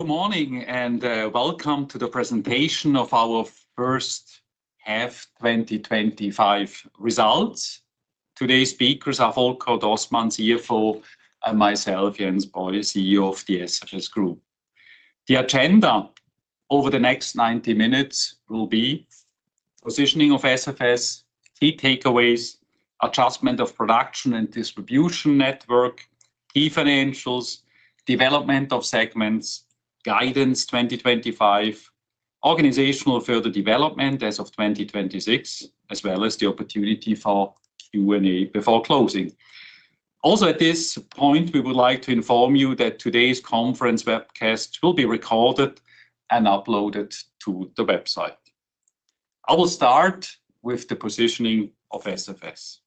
Good morning, and welcome to the presentation of our first half twenty twenty five results. Today's speakers are Holkert Osman, CFO and myself, Jens Borje, CEO of the SHS Group. The agenda over the next ninety minutes will be positioning of SFS, key takeaways, adjustment of production and distribution network, key financials, development of segments, guidance 2025, organizational further development as of 2026, as well as the opportunity for Q and A before closing. Also at this point, we would like to inform you that today's conference webcast will be recorded and uploaded to the website. I will start with the positioning of SFS.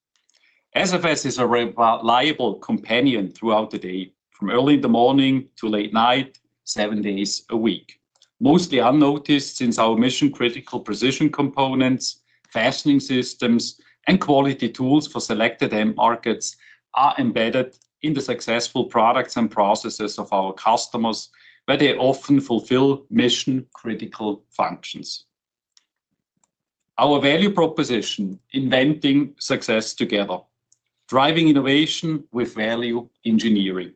SFS is a reliable companion throughout the day, from early in the morning to late night, seven days a week, mostly unnoticed since our mission critical precision components, fastening systems, and quality tools for selected end markets are embedded in the successful products and processes of our customers, where they often fulfill mission critical functions. Our value proposition, inventing success together, driving innovation with value engineering.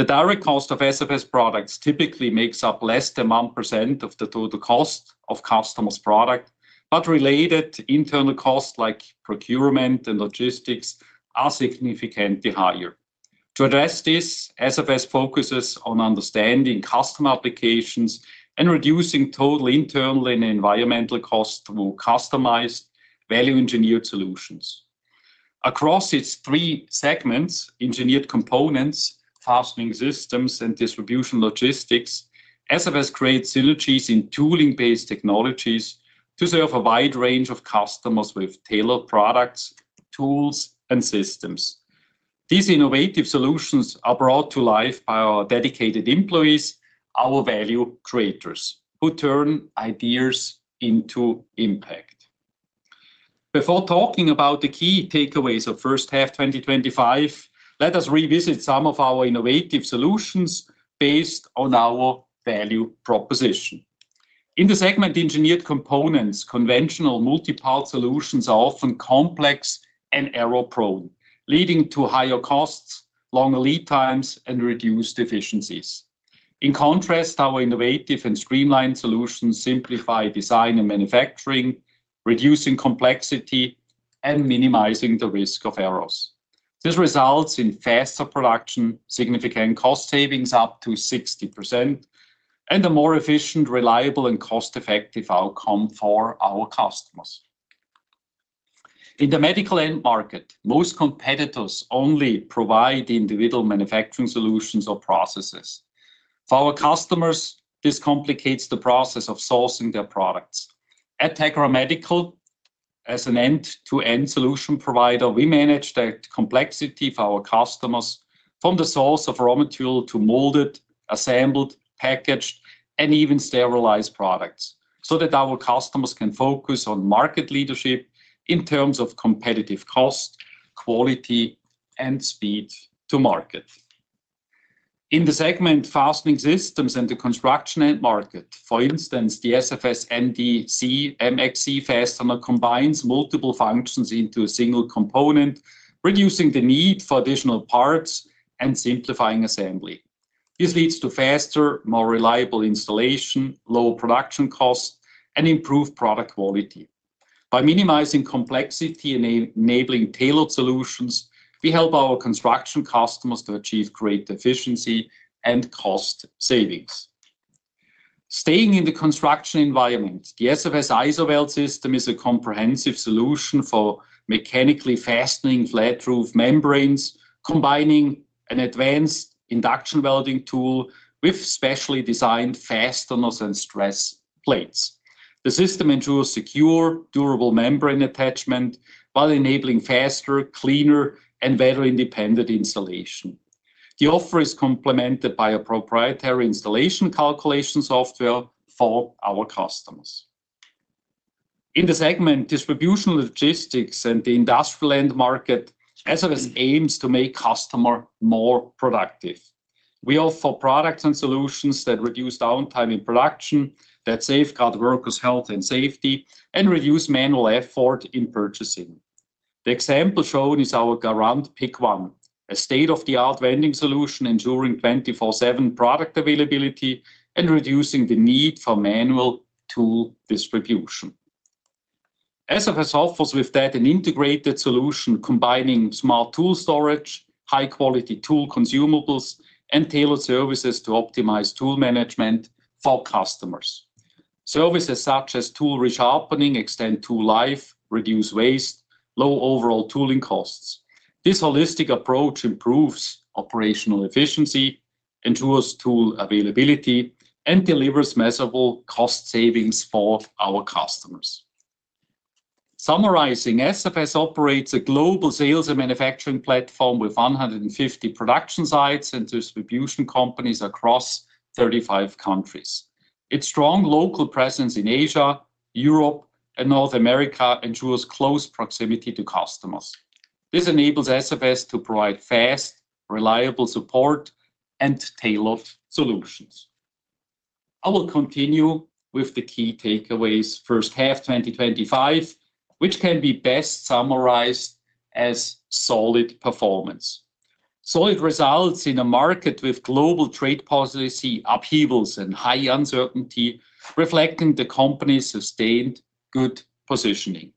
The direct cost of SFS products typically makes up less than 1% of the total cost of customers' product, but related to internal costs like procurement and logistics are significantly higher. To address this, SFS focuses on understanding customer applications and reducing total internal and environmental costs through customized value engineered solutions. Across its three segments, engineered components, fastening systems and distribution logistics, SFS creates synergies in tooling based technologies to serve a wide range of customers with tailored products, tools and systems. These innovative solutions are brought to life by our dedicated employees, our value creators, who turn ideas into impact. Before talking about the key takeaways of first half twenty twenty five, let us revisit some of our innovative solutions based on our value proposition. In the segment engineered components, conventional multipulse solutions are often complex and error prone, leading to higher costs, longer lead times and reduced efficiencies. In contrast, our innovative and streamlined solutions simplify design and manufacturing, reducing complexity and minimizing the risk of errors. This results in faster production, significant cost savings up to 60% and a more efficient, reliable and cost effective outcome for our customers. In the medical end market, most competitors only provide individual manufacturing solutions or processes. For our customers, this complicates the process of sourcing their products. At Tekara Medical, as an end to end solution provider, we manage the complexity for our customers from the source of raw material to molded, assembled, packaged and even sterilized products so that our customers can focus on market leadership in terms of competitive cost, quality and speed to market. In the segment Fastening Systems and the construction end market, for instance, the SFS NDC MXC fastener combines multiple functions into a single component, reducing the need for additional parts and simplifying assembly. This leads to faster, more reliable installation, low production costs and improved product quality. By minimizing complexity and enabling tailored solutions, we help our construction customers to achieve great efficiency and cost savings. Staying in the construction environment, the SFS IsoVeld system is a comprehensive solution for mechanically fastening flat roof membranes, combining an advanced induction welding tool with specially designed fasteners and stress plates. The system ensures secure durable membrane attachment while enabling faster, cleaner and better independent installation. The offer is complemented by a proprietary installation calculation software for our customers. In the segment distribution logistics and the industrial end market, SFS aims to make customer more productive. We offer products and solutions that reduce downtime in production, that safeguard workers' health and safety, and reduce manual effort in purchasing. The example shown is our GARRAND PIC1, a state of the art vending solution ensuring 20 fourseven product availability and reducing the need for manual tool distribution. SFS offers with that an integrated solution combining smart tool storage, high quality tool consumables and tailored services to optimize tool management for customers. Services such as tool re sharpening, extend tool life, reduce waste, low overall tooling costs. This holistic approach improves operational efficiency, ensures tool availability and delivers measurable cost savings for our customers. Summarizing, SFS operates a global sales manufacturing platform with 150 production sites and distribution companies across 35 countries. Its strong local presence in Asia, Europe and North America ensures close proximity to customers. This enables SFS to provide fast, reliable support and tailored solutions. I will continue with the key takeaways first half twenty twenty five, which can be best summarized as solid performance. Solid results in a market with global trade policy upheavals and high uncertainty reflecting the company's sustained good positioning.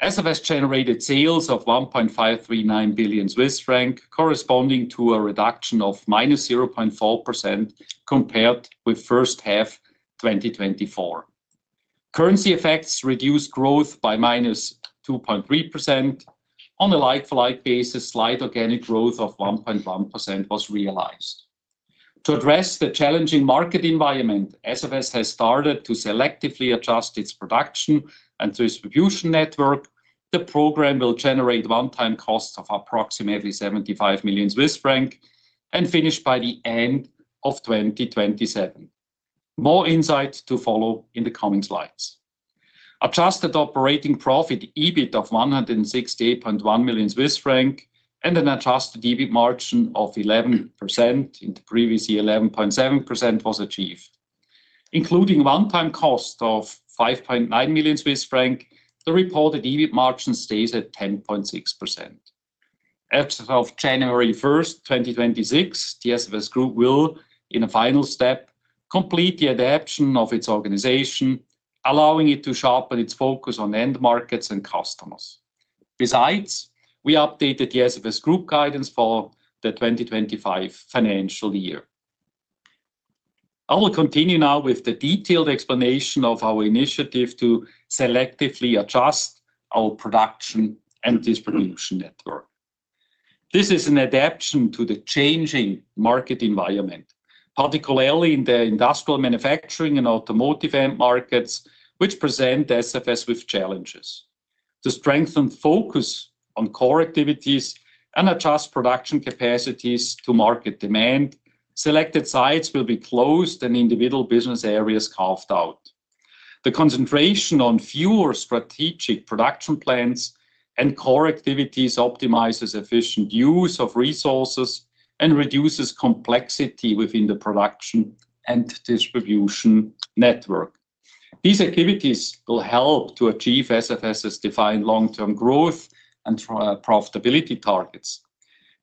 SFS generated sales of 1,539,000,000.000 Swiss franc corresponding to a reduction of minus 0.4% compared with first half twenty twenty four. Currency effects reduced growth by minus 2.3%. On a like for like basis, slight organic growth of 1.1% was realized. To address the challenging market environment, SFS has started to selectively adjust its production and distribution network. The program will generate onetime costs of approximately 75,000,000 Swiss franc and finish by the end of twenty twenty seven. More insights to follow in the coming slides. Adjusted operating profit EBIT of 168,100,000.0 Swiss franc and an adjusted EBIT margin of 11 in the previous year, 11.7% was achieved. Including onetime cost of 5,900,000.0, the reported EBIT margin stays at 10.6%. As of 01/01/2026, TSFS Group will, in a final step, complete the adoption of its organization, allowing it to sharpen its focus on end markets and customers. Besides, we updated TSFS Group guidance for the 2025 financial year. I will continue now with the detailed explanation of our initiative to selectively adjust our production and distribution network. This is an adaption to the changing market environment, particularly in the industrial manufacturing and automotive end markets, which present SFS with challenges. To strengthen focus on core activities and adjust production capacities to market demand, selected sites will be closed and individual business areas carved out. The concentration on fewer strategic production plans and core activities optimizes efficient use of resources and reduces complexity within the production and distribution network. These activities will help to achieve SFS' defined long term growth and profitability targets.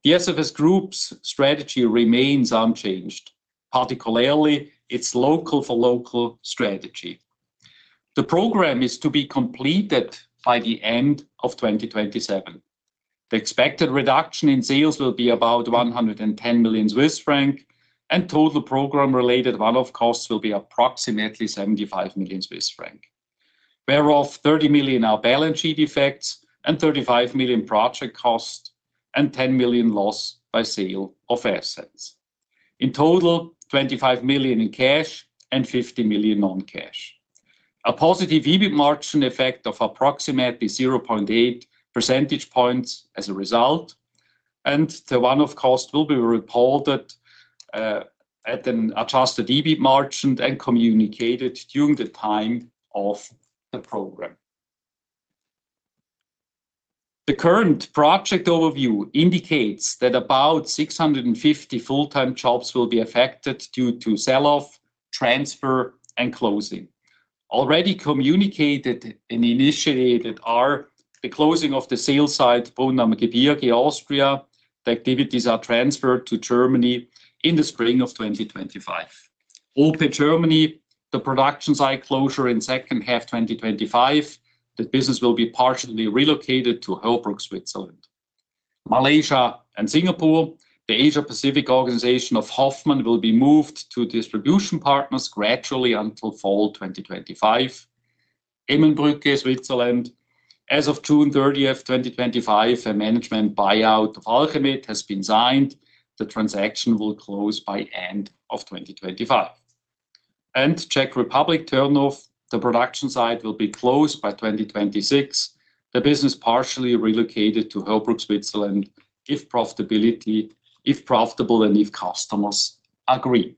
The SFS Group's strategy remains unchanged, particularly its local for local strategy. The program is to be completed by the end of twenty twenty seven. The expected reduction in sales will be about 110,000,000 Swiss franc, and total program related one off costs will be approximately 75,000,000 Swiss franc, whereof 30,000,000 are balance sheet effects and 35,000,000 project costs and 10,000,000 loss by sale of assets. In total, 25,000,000 in cash and 50,000,000 noncash. A positive EBIT margin effect of approximately 0.8 percentage points as a result, And the one off cost will be reported at an adjusted EBIT margin and communicated during the time of the program. The current project overview indicates that about six fifty full time jobs will be affected due to sell off, transfer and closing. Already communicated and initiated are the closing of the sales site, Bundammergebierge Austria. The activities are transferred to Germany in the spring of twenty twenty five. OPEC Germany, the production site closure in second half twenty twenty five. The business will be partially relocated to Helbrook, Switzerland. Malaysia and Singapore, the Asia Pacific organization of Hoffmann will be moved to distribution partners gradually until fall twenty twenty five. Emenbrunke, Switzerland, as of 06/30/2025, a management buyout of Alkermit has been signed. The transaction will close by end of twenty twenty five. And Czech Republic turn off, the production site will be closed by 2026, the business partially relocated to Helbrook, Switzerland if profitability if profitable and if customers agree.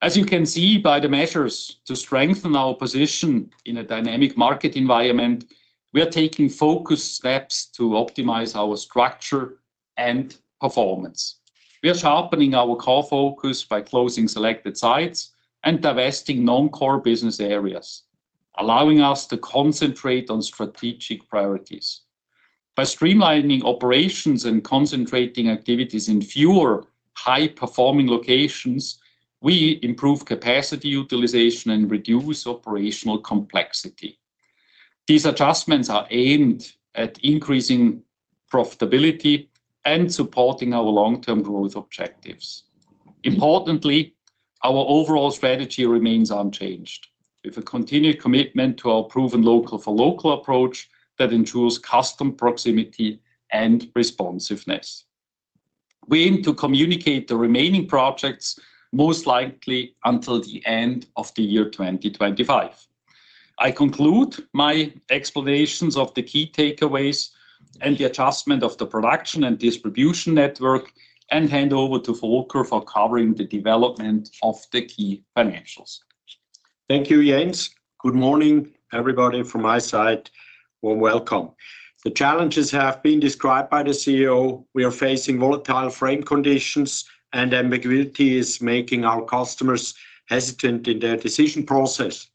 As you can see by the measures to strengthen our position in a dynamic market environment, we are taking focused steps to optimize our structure and performance. We are sharpening our core focus by closing selected sites and divesting non core business areas, allowing us to concentrate on strategic priorities. By streamlining operations and concentrating activities in fewer high performing locations, we improve capacity utilization and reduce operational complexity. These adjustments are aimed at increasing profitability and supporting our long term growth objectives. Importantly, our overall strategy remains unchanged with a continued commitment to our proven local for local approach that ensures custom proximity and responsiveness. We aim to communicate the remaining projects most likely until the end of the year 2025. I conclude my explanations of the key takeaways and the adjustment of the production and distribution network and hand over to Volker for covering the development of the key financials. Thank you, Jens. Good morning, everybody from my side. Well, welcome. The challenges have been described by the CEO. We are facing volatile frame conditions, and ambiguity is making our customers hesitant in their decision process.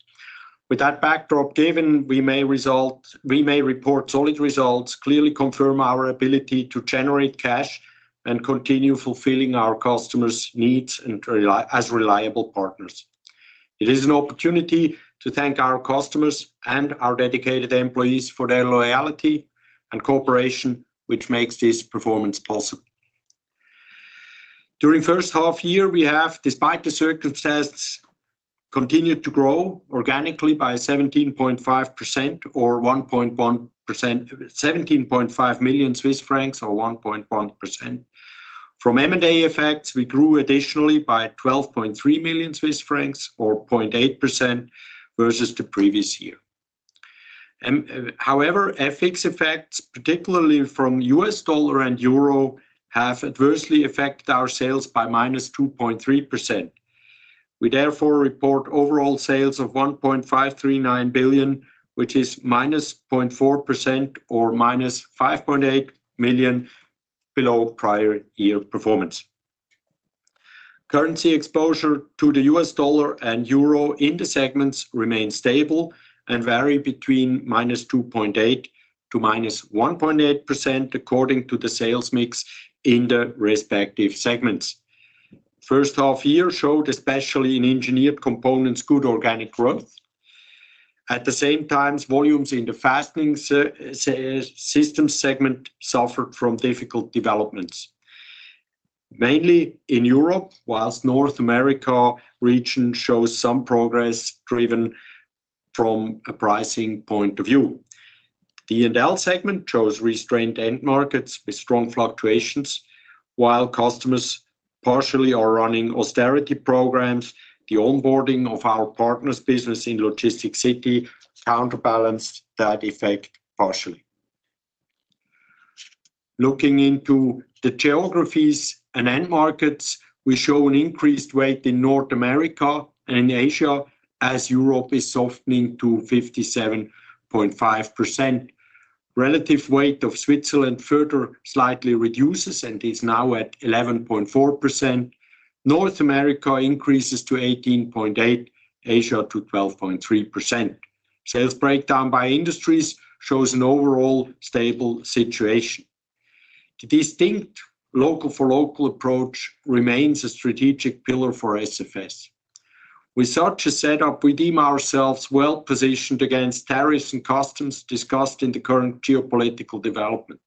With that backdrop, given we may result we may report solid results, clearly confirm our ability to generate cash, and continue fulfilling our customers' needs and rely as reliable partners. It is an opportunity to thank our customers and our dedicated employees for their loyalty and cooperation, which makes this performance possible. During first half year, we have, despite the circumstances, continued to grow organically by 17,500,000.0 or 1.1%. From m and a effects, we grew additionally by 12,300,000.0 Swiss francs or 0.8% versus the previous year. However, FX effects, particularly from US dollar and euro, have adversely affected our sales by minus 2.3%. We therefore report overall sales of 1,539,000,000.000, which is minus 0.4% or minus 5,800,000.0 below prior year performance. Currency exposure to the U. S. Dollar and euro in the segments remain stable and vary between minus 2.8% to minus 1.8% according to the sales mix in the respective segments. First half year showed especially in engineered components good organic growth. At the same time, volumes in the fastening systems segment suffered from difficult developments, mainly in Europe, whilst North America region shows some progress driven from a pricing point of view. The e and l segment shows restrained end markets with strong fluctuations, while customers partially are running austerity programs, the onboarding of our partners business in logistic city counterbalanced that effect partially. Looking into the geographies and end markets, we show an increased weight in North America and Asia as Europe is softening to 57.5%. Relative weight of Switzerland further slightly reduces and is now at 11.4%. North America increases to 18.8, Asia to 12.3%. Sales breakdown by industries shows an overall stable situation. The distinct local for local approach remains a strategic pillar for SFS. With such a setup, we deem ourselves well positioned against tariffs and customs discussed in the current geopolitical development.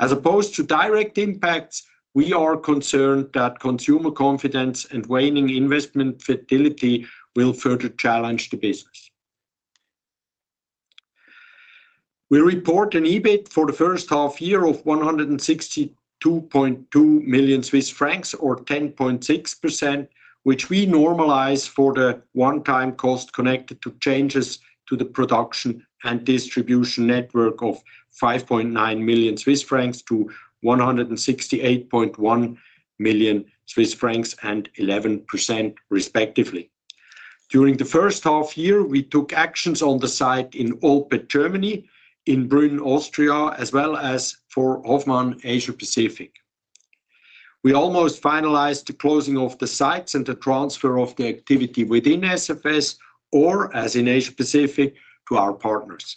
As opposed to direct impacts, we are concerned that consumer confidence and waning investment fertility will further challenge the business. We report an EBIT for the first half year of 162,200,000.0 Swiss francs or 10.6%, which we normalize for the onetime cost connected to changes to the production and distribution network of 5,900,000.0 Swiss francs to 168,100,000.0 Swiss francs and 11% respectively. During the first half year, we took actions on the site in OPEC, Germany, in Britain, Austria, as well as for Hoffmann, Asia Pacific. We almost finalized the closing of the sites and the transfer of the activity within SFS or as in Asia Pacific to our partners.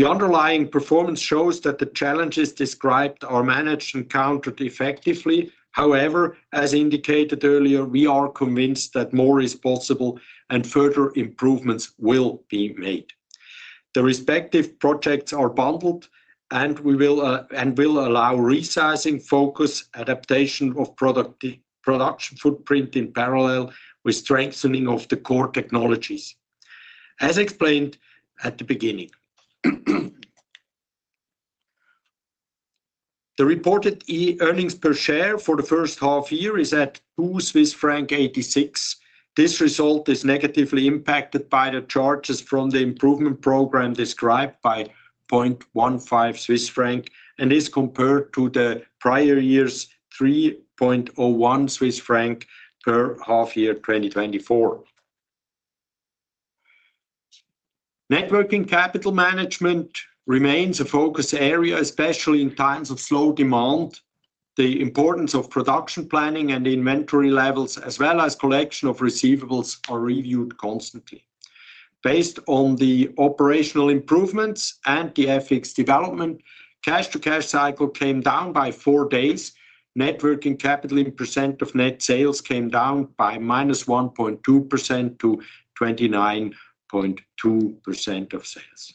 The underlying performance shows that the challenges described are managed and countered effectively. However, as indicated earlier, we are convinced that more is possible and further improvements will be made. The respective projects are bundled, and we will, and will allow resizing focus adaptation of product footprint in parallel with strengthening of the core technologies, as explained at the beginning. The reported earnings per share for the first half year is at CHF $2.86. This result is negatively impacted by the charges from the improvement program described by 0.15 Swiss franc and is compared to the prior year's 3.01 Swiss franc per half year 2024. Networking capital management remains a focus area, especially in times of slow demand. The importance of production planning and inventory levels as well as collection of receivables are reviewed constantly. Based on the operational improvements and the FX development, cash to cash cycle came down by four days. Net working capital in percent of net sales came down by minus 1.2% to 29.2% of sales.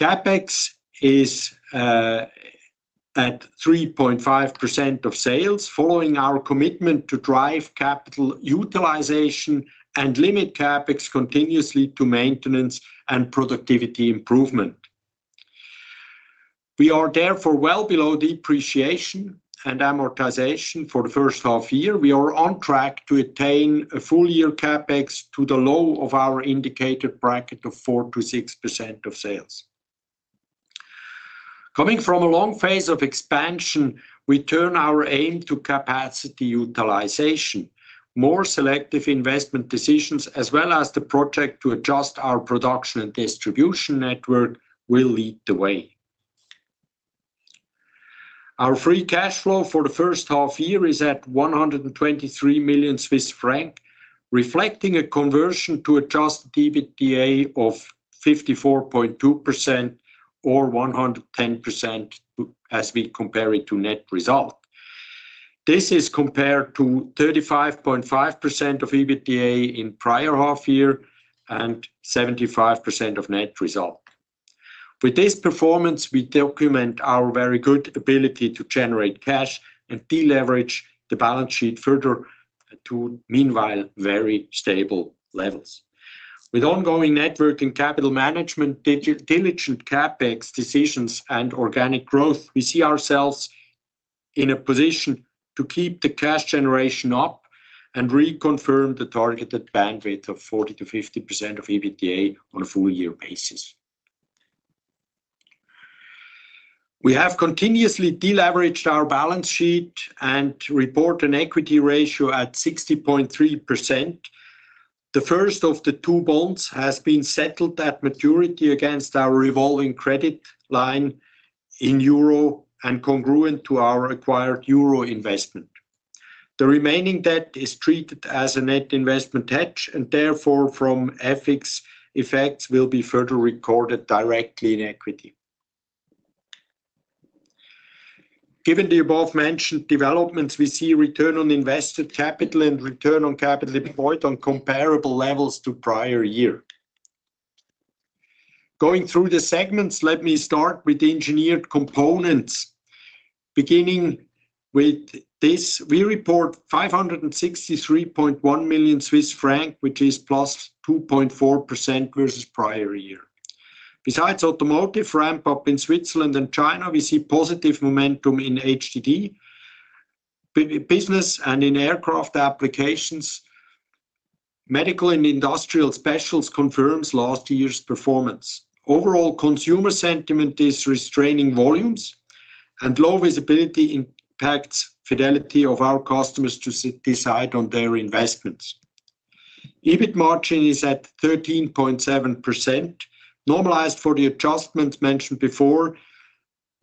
CapEx is at 3.5% of sales following our commitment to drive capital utilization and limit CapEx continuously to maintenance and productivity improvement. We are therefore well below depreciation and amortization for the first half year. We are on track to attain a full year CapEx to the low of our indicated bracket of 4% to 6% of sales. Coming from a long phase of expansion, we turn our aim to capacity utilization, More selective investment decisions as well as the project to adjust our production and distribution network will lead the way. Our free cash flow for the first half year is at 123 million Swiss franc, reflecting a conversion to adjusted EBITDA of 54.2% or 110% as we compare it to net result. This is compared to 35.5% of EBITDA in prior half year and 75% of net result. With this performance, we document our very good ability to generate cash and deleverage the balance sheet further to meanwhile very stable levels. With ongoing network and capital management, diligent CapEx decisions and organic growth, we see ourselves in a position to keep the cash generation up and reconfirm the targeted bandwidth of 40 to 50% of EBITDA on a full year basis. We have continuously deleveraged our balance sheet and report an equity ratio at 60.3. The first of the two bonds has been settled at maturity against our revolving credit line in euro and congruent to our acquired euro investment. The remaining debt is treated as a net investment hedge and therefore from FX effects will be further recorded directly in equity. Given the above mentioned developments, we see return on invested capital and return on capital deployed on comparable levels to prior year. Going through the segments, let me start with the engineered components. Beginning with this, we report 563,100,000.0 Swiss franc, which is plus 2.4% versus prior year. Besides automotive ramp up in Switzerland and China, we see positive momentum in HDD business and in aircraft applications. Medical and industrial specials confirms last year's performance. Overall, sentiment is restraining volumes, and low visibility impacts fidelity of our customers to sit decide on their investments. EBIT margin is at 13.7%. Normalized for the adjustments mentioned before,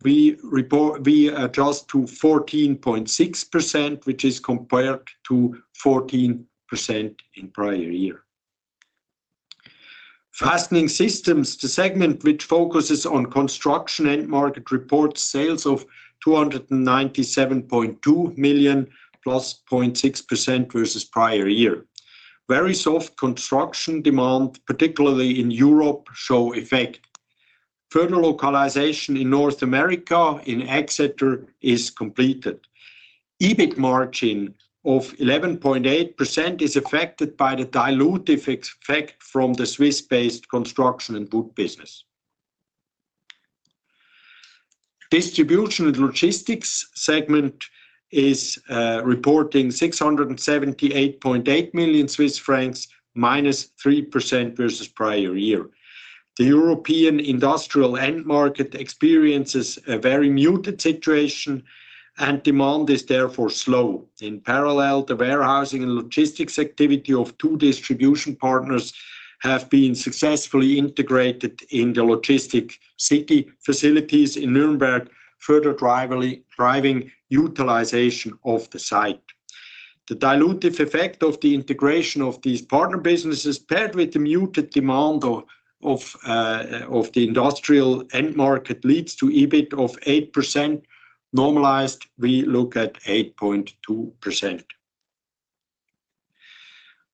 we report we adjust to 14.6%, which is compared to 14% in prior year. Fastening systems, the segment which focuses on construction end market report sales of 297,200,000.0 plus point 6% versus prior year. Very soft construction demand, particularly in Europe, show effect. Further localization in North America in Exeter is completed. EBIT margin of 11.8% is affected by the dilutive effect from the Swiss based construction and boot business. Distribution and logistics segment is reporting 678,800,000.0 Swiss francs, minus 3% versus prior year. The European industrial end market experiences a very muted situation, and demand is therefore slow. In parallel, the warehousing and logistics activity of two distribution partners have been successfully integrated in the logistic city facilities in Nuremberg further driving utilization of the site. The dilutive effect of the integration of these partner businesses paired with the muted demand of the industrial end market leads to EBIT of 8%. Normalized, we look at 8.2%.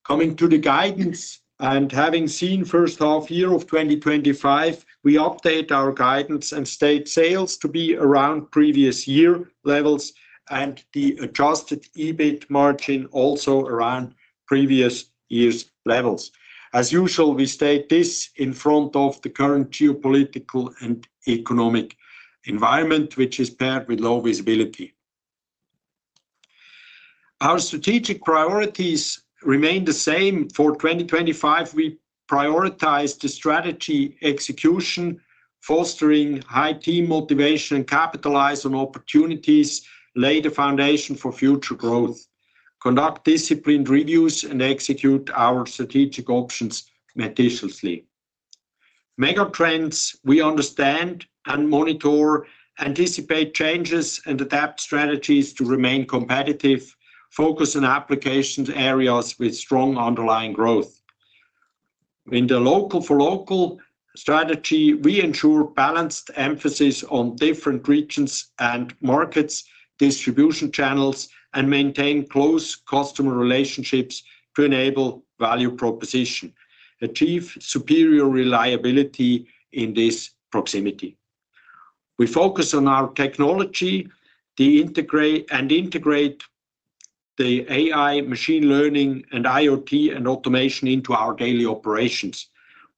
Coming to the guidance and having seen first half year of twenty twenty five, we update our guidance and state sales to be around previous year levels and the adjusted EBIT margin also around previous year's levels. As usual, we state this in front of the current geopolitical and economic environment, which is paired with low visibility. Our strategic priorities remain the same for 2025. We prioritize the strategy execution, fostering high team motivation, capitalize on opportunities, lay the foundation for future growth, conduct disciplined reviews, and execute our strategic options meticulously. Mega trends, we understand and monitor, anticipate changes, and adapt strategies to remain competitive, focus on applications areas with strong underlying growth. In the local for local strategy, we ensure balanced emphasis on different regions and markets, distribution channels, and maintain close customer relationships to enable value proposition, achieve superior reliability in this proximity. We focus on our technology, the integrate and integrate the AI machine learning and IoT and automation into our daily operations.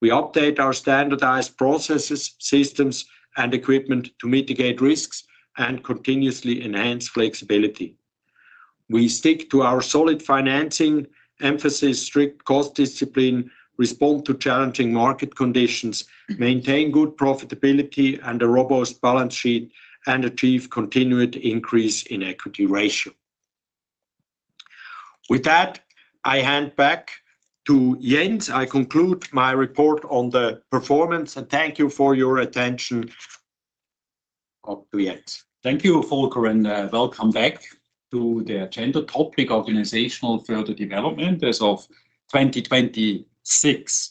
We update our standardized processes, systems, and equipment to mitigate risks and continuously enhance flexibility. We stick to our solid financing, emphasis strict cost discipline, respond to challenging market conditions, maintain good profitability and a robust balance sheet and achieve continued increase in equity ratio. With that, I hand back to Jens. I conclude my report on the performance, and thank you for your attention up to it. Thank you, Volker, and welcome back to the agenda topic organizational further development as of 2026.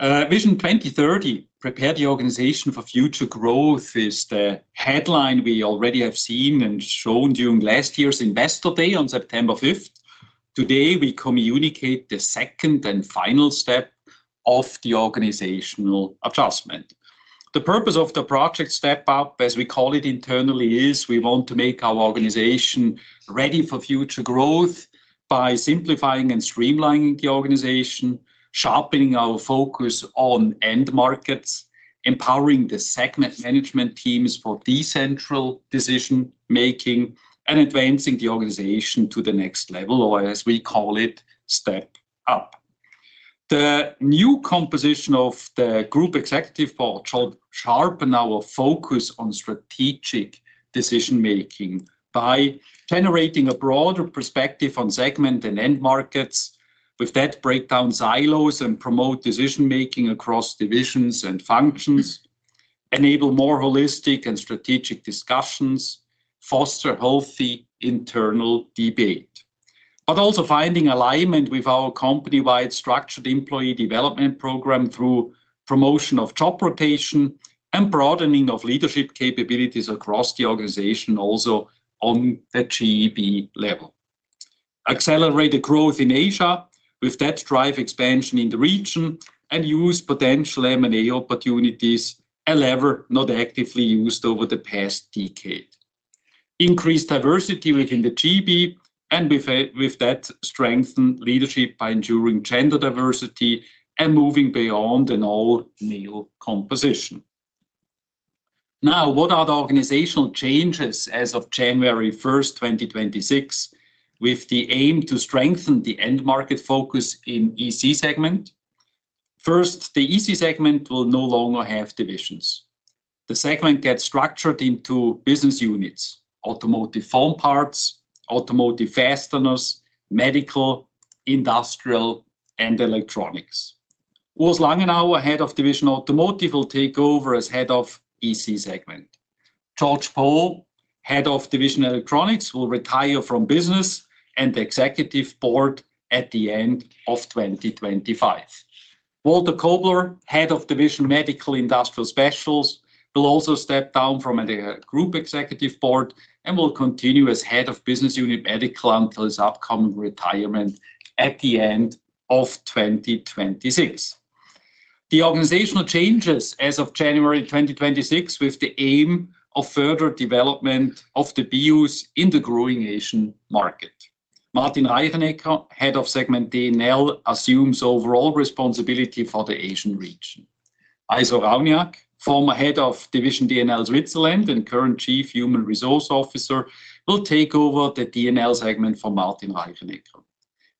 Vision 02/1930, prepare the organization for future growth is the headline we already have seen and shown during last year's Investor Day on September 5. Today, we communicate the second and final step of the organizational adjustment. The purpose of the project step up, as we call it internally, is we want to make our organization ready for future growth by simplifying and streamlining the organization, sharpening our focus on end markets, empowering the segment management teams for decentral decision making, and advancing the organization to the next level or as we call it step up. The new composition of the group executive for showed sharpen our focus on strategic decision making by generating a broader perspective on segment and end markets. With that breakdown silos and promote decision making across divisions and functions, enable more holistic and strategic discussions, foster healthy internal debate, but also finding alignment with our company wide structured employee development program through promotion of job rotation and broadening of leadership capabilities across the organization also on the GEB level. Accelerate the growth in Asia with that drive expansion in the region and use potential M and A opportunities, a lever not actively used over the past decade. Increased diversity within the GB and with with that strengthened leadership by enduring gender diversity and moving beyond an all male composition. Now what are the organizational changes as of 01/01/2026 with the aim to strengthen the end market focus in EC segment? First, the EC segment will no longer have divisions. The segment gets structured into business units, automotive form parts, automotive fasteners, medical, industrial and electronics. Urs Langenau, head of divisional automotive will take over as head of EC segment. George Pohl, Head of Division Electronics, retire from business and Executive Board at the end of twenty twenty five. Walter Kobler, Head of Division Medical Industrial Specials, will also step down from the Group Executive Board and will continue as Head of Business Unit Medical until his upcoming retirement at the end of twenty twenty six. The organizational changes as of January 2026 with the aim of further development of the BUs in the growing Asian market. Martin Reifeneck, Head of Segment D and assumes overall responsibility for the Asian region. Isaac Ramiak, former head of division D and L Switzerland and current chief human resource officer, will take over the D and L segment for Martin Raiffenenkel.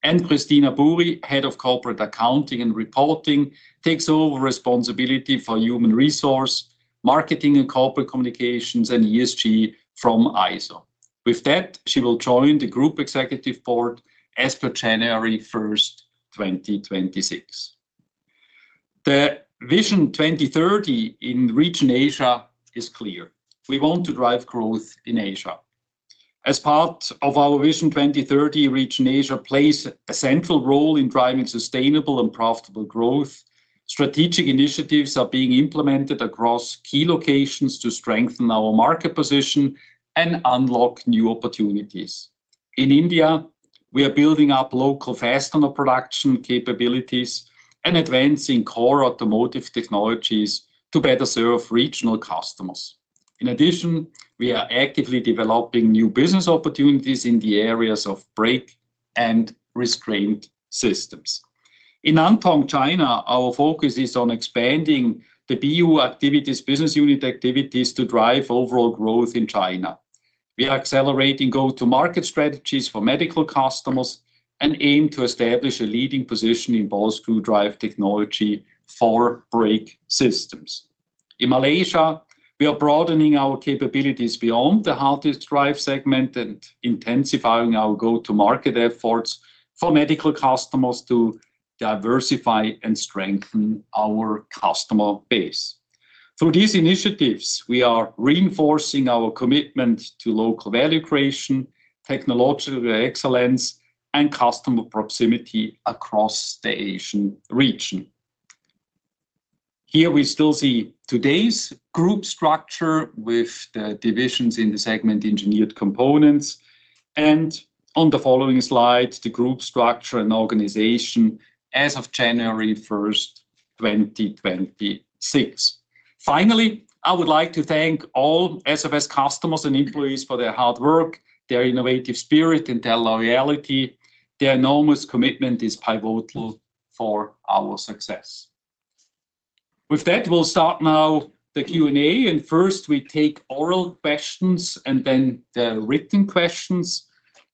And Kristina Buhri, head of corporate accounting and reporting, takes over responsibility for human resource, marketing and corporate communications, and ESG from ISO. With that, she will join the group executive board as per 01/01/2026. The Vision 2,030 in Reach in Asia is clear. We want to drive growth in Asia. As part of our Vision 2,030, Reach in Asia plays a central role in driving sustainable and profitable growth. Strategic initiatives are being implemented across key locations to strengthen our market position and unlock new opportunities. In India, we are building up local fastener production capabilities and advancing core automotive technologies to better serve regional customers. In addition, we are actively developing new business opportunities in the areas of brake and restraint systems. In Antong, China, our focus is on expanding the BU activities business unit activities to drive overall growth in China. We are accelerating go to market strategies for medical customers and aim to establish a leading position in ball screw drive technology for brake systems. In Malaysia, we are broadening our capabilities beyond the hard disk drive segment and intensifying our go to market efforts for medical customers to diversify and strengthen our customer base. Through these initiatives, we are reinforcing our commitment to local value creation, technological excellence, and customer proximity across the Asian region. Here, we still see today's group structure with the divisions in the segment engineered components. And on the following slides, the group structure and organization as of 01/01/2026. Finally, I would like to thank all SFS customers and employees for their hard work, their innovative spirit, and their loyalty. Their enormous commitment is pivotal for our success. With that, we'll start now the q and a. And first, we take oral questions and then the written questions.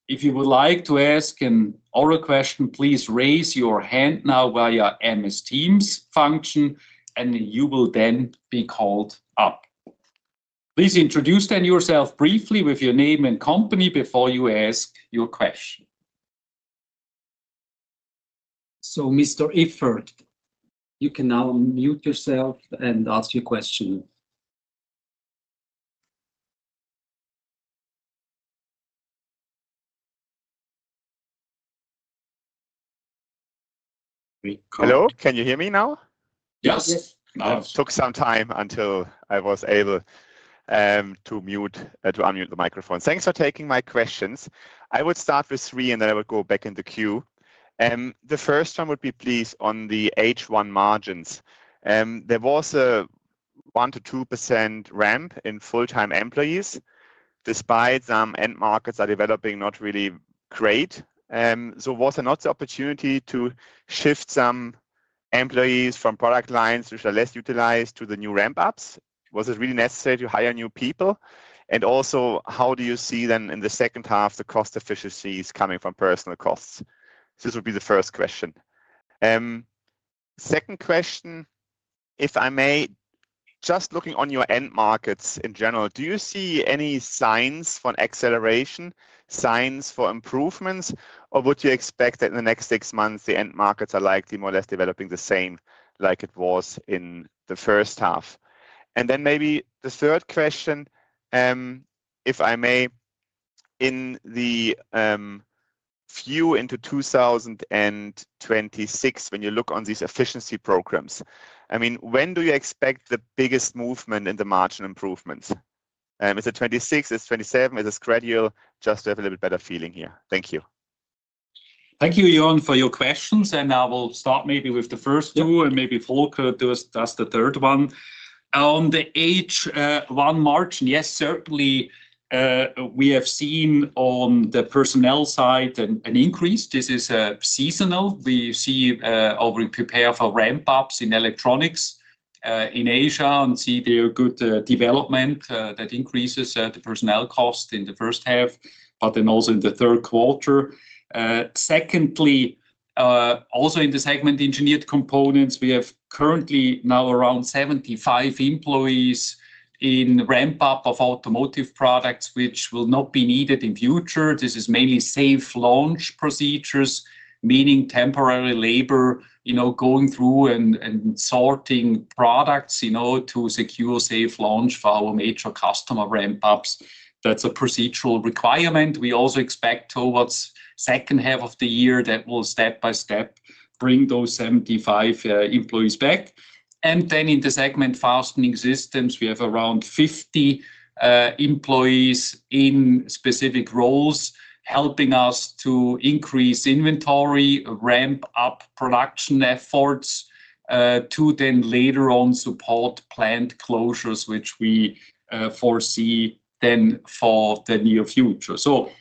If you would like to ask an oral question, please raise your hand now via MS Teams function, and you will then be called up. Please introduce then yourself briefly with your name and company before you ask your question. So mister Effort, you can now mute yourself and ask your question. Hello? Can you hear me now? Yes. Yes. It took some time until I was able to mute to unmute the microphone. Thanks for taking my questions. I would start with three, and then I will go back in the queue. The first one would be, please, on the H1 margins. There was a 1% to 2% ramp in full time employees despite some end markets are developing not really great. So was there not the opportunity to shift some employees from product lines, which are less utilized, to the new ramp ups? Was it really necessary to hire new people? And also, how do you see then in the second half the cost efficiencies coming from personal costs? This would be the first question. Second question, if I may, just looking on your end markets in general, do you see any signs for acceleration, signs for improvements? Or would you expect that in the next six months, the end markets are likely more or less developing the same like it was in the first half? And then maybe the third question, if I may, in the few into 2026 when you look on these efficiency programs. I mean, do you expect the biggest movement in the margin improvements? Is it '26? Is it '27? Is this gradual? Just to have a little better feeling here. Thank you. Thank you, Jan, for your questions, and I will start maybe with the first two and maybe Falko does does the third one. On the h one margin, yes, certainly, we have seen on the personnel side an increase. This is seasonal. We see over in prepare for ramp ups in electronics in Asia and see the good development that increases the personnel cost in the first half, but then also in the third quarter. Secondly, also in the segment, components, we have currently now around 75 employees in ramp up of automotive products, which will not be needed in future. This is mainly safe launch procedures, meaning temporary labor, you know, going through and and sorting products, you know, to secure safe launch for our major customer ramp ups. That's a procedural requirement. We also expect towards second half of the year that we'll step by step bring those 75 employees back. And then in the segment fastening systems, we have around 50 employees in specific roles helping us to increase inventory, ramp up production efforts to then later on support plant closures, which we foresee then for the near future. So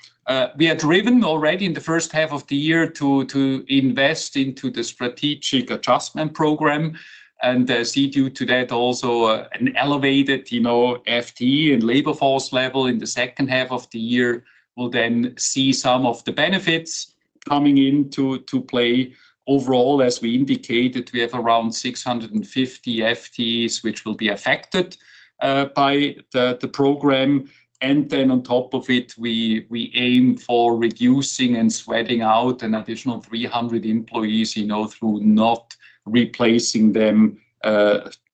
we are driven already in the first half of the year to invest into the strategic adjustment program and see due to that also an elevated FTE and labor force level in the second half of the year. We'll then see some of the benefits coming into play overall. As we indicated, we have around six fifty FTEs, which will be affected by the the program. And then on top of it, we we aim for reducing and sweating out an additional 300 employees, you know, through not replacing them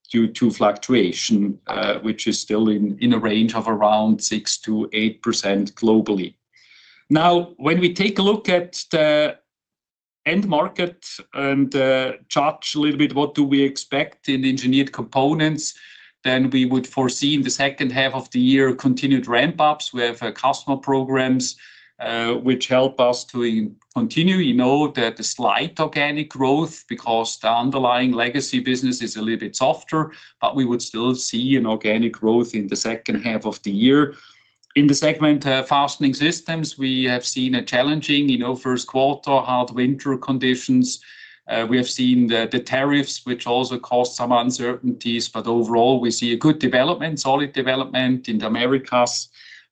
due to fluctuation, which is still in in a range of around 6% to 8% globally. Now when we take a look at the end markets and charge a little bit what do we expect in engineered components, then we would foresee in the second half of the year continued ramp ups with customer programs, which help us to continue. You know that the slight organic growth because the underlying legacy business is a little bit softer, but we would still see an organic growth in the second half of the year. In the segment, Fastening Systems, we have seen a challenging first quarter, hard winter conditions. We have seen the tariffs, which also caused some uncertainties. But overall, we see a good development, solid development in The Americas,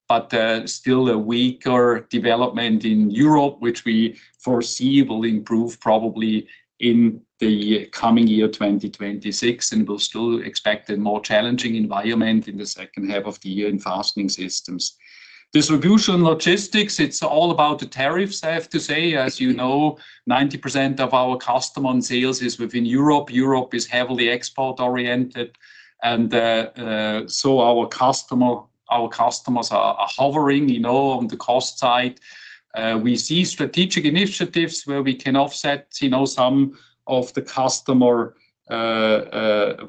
but still a weaker development in Europe, which we foresee will improve probably in the coming year 2026, and we'll still expect a more challenging environment in the second half of the year in fastening systems. Distribution logistics, it's all about the tariffs, I have to say. As you know, 90% of our customer on sales is within Europe. Europe is heavily export oriented, and so our customer our customers are hovering, you know, on the cost side. We see strategic initiatives where we can offset, you know, some of the customer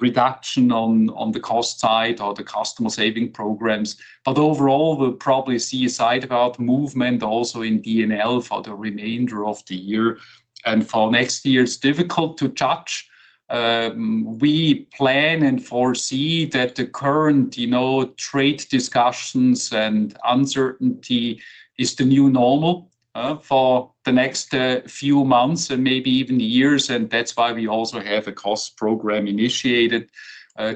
reduction on on the cost side or the customer saving programs. But overall, we'll probably see a side about movement also in d and l for the remainder of the year. And for next year, it's difficult to judge. We plan and foresee that the current, you know, trade discussions and uncertainty is the new normal for the next few months and maybe even years, and that's why we also have a cost program initiated,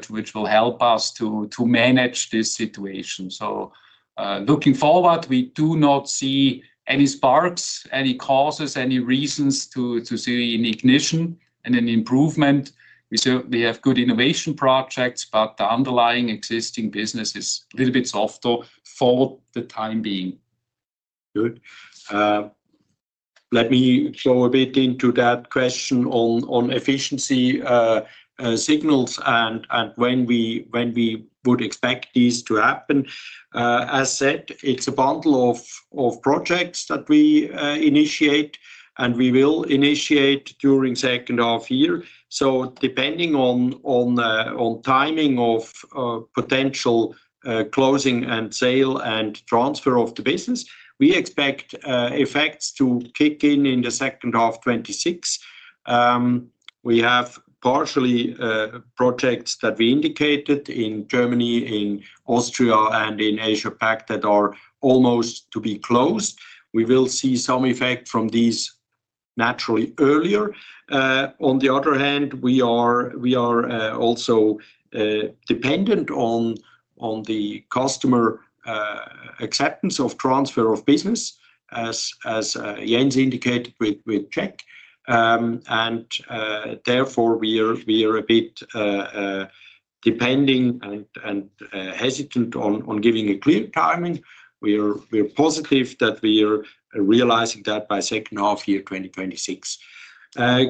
which will help us to manage this situation. So looking forward, we do not see any sparks, any causes, any reasons to see an ignition and an improvement. We certainly have good innovation projects, but the underlying existing business is a little bit softer for the time being. Good. Let me go a bit into that question on on efficiency signals and and when we when we would expect these to happen. As said, it's a bundle of of projects that we initiate, and we will initiate during second half year. So depending on timing of potential closing and sale and transfer of the business, we expect effects to kick in in the second half twenty six. We have partially projects that we indicated in Germany, in Austria, and in Asia Pac that are almost to be closed. We will see some effect from these naturally earlier. On the other hand, we are we are also dependent on on the customer acceptance of transfer of business as as Jens indicated with with Czech, And, therefore, we are we are a bit depending and and hesitant on on giving a clear timing. We are we are positive that we are realizing that by second half year twenty twenty six.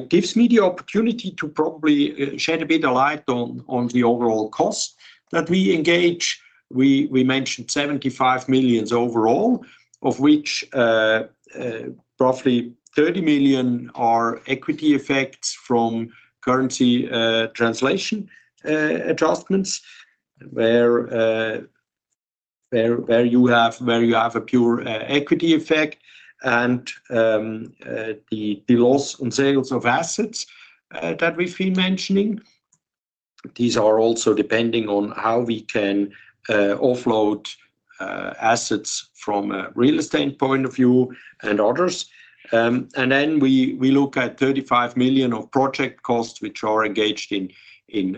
Gives me the opportunity to probably shed a bit of light on on the overall cost that we engage. We we mentioned 75 millions overall, of which roughly 30,000,000 are equity effects from currency translation adjustments where where where you have where you have a pure equity effect and the the loss on sales of assets that we've been mentioning. These are also depending on how we can offload assets from a real estate point of view and others. And then we we look at 35,000,000 of project costs, are engaged in in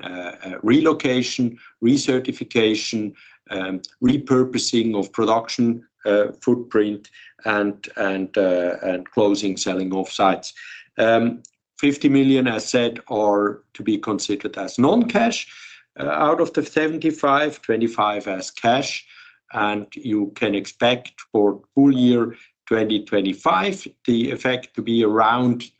relocation, recertification, repurposing of production footprint and and closing selling off sites. 50,000,000, as said, are to be considered as noncash. Out of the $75.25 as cash, and you can expect for full year 2025 the effect to be around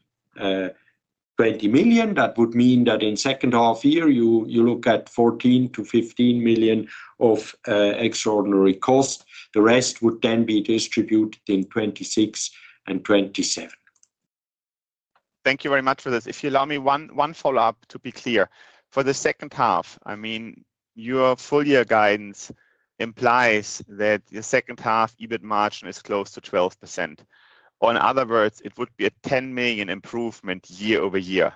20,000,000. That would mean that in second half year, you you look at 14 to 15,000,000 of extraordinary cost. The rest would then be distributed in 2026 and 2027. Thank you very much for this. If you allow me one follow-up to be clear. For the second half, I mean, full year guidance implies that your second half EBIT margin is close to 12%. Or in other words, it would be a €10,000,000 improvement year over year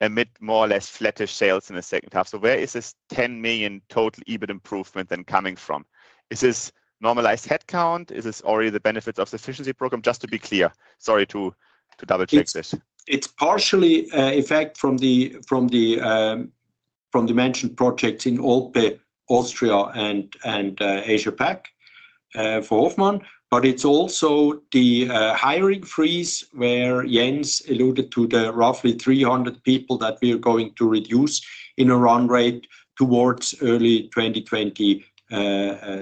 amid more or less flattish sales in the second half. So where is this €10,000,000 total EBIT improvement then coming from? Is this normalized headcount? Is this already the benefits of the efficiency program? Just to be clear. Sorry to to double check It's partially effect from the from the from the mentioned projects in Alpe, Austria and and Asia Pac for Ofman, but it's also the hiring freeze where Jens alluded to the roughly 300 people that we are going to reduce in a run rate towards early twenty twenty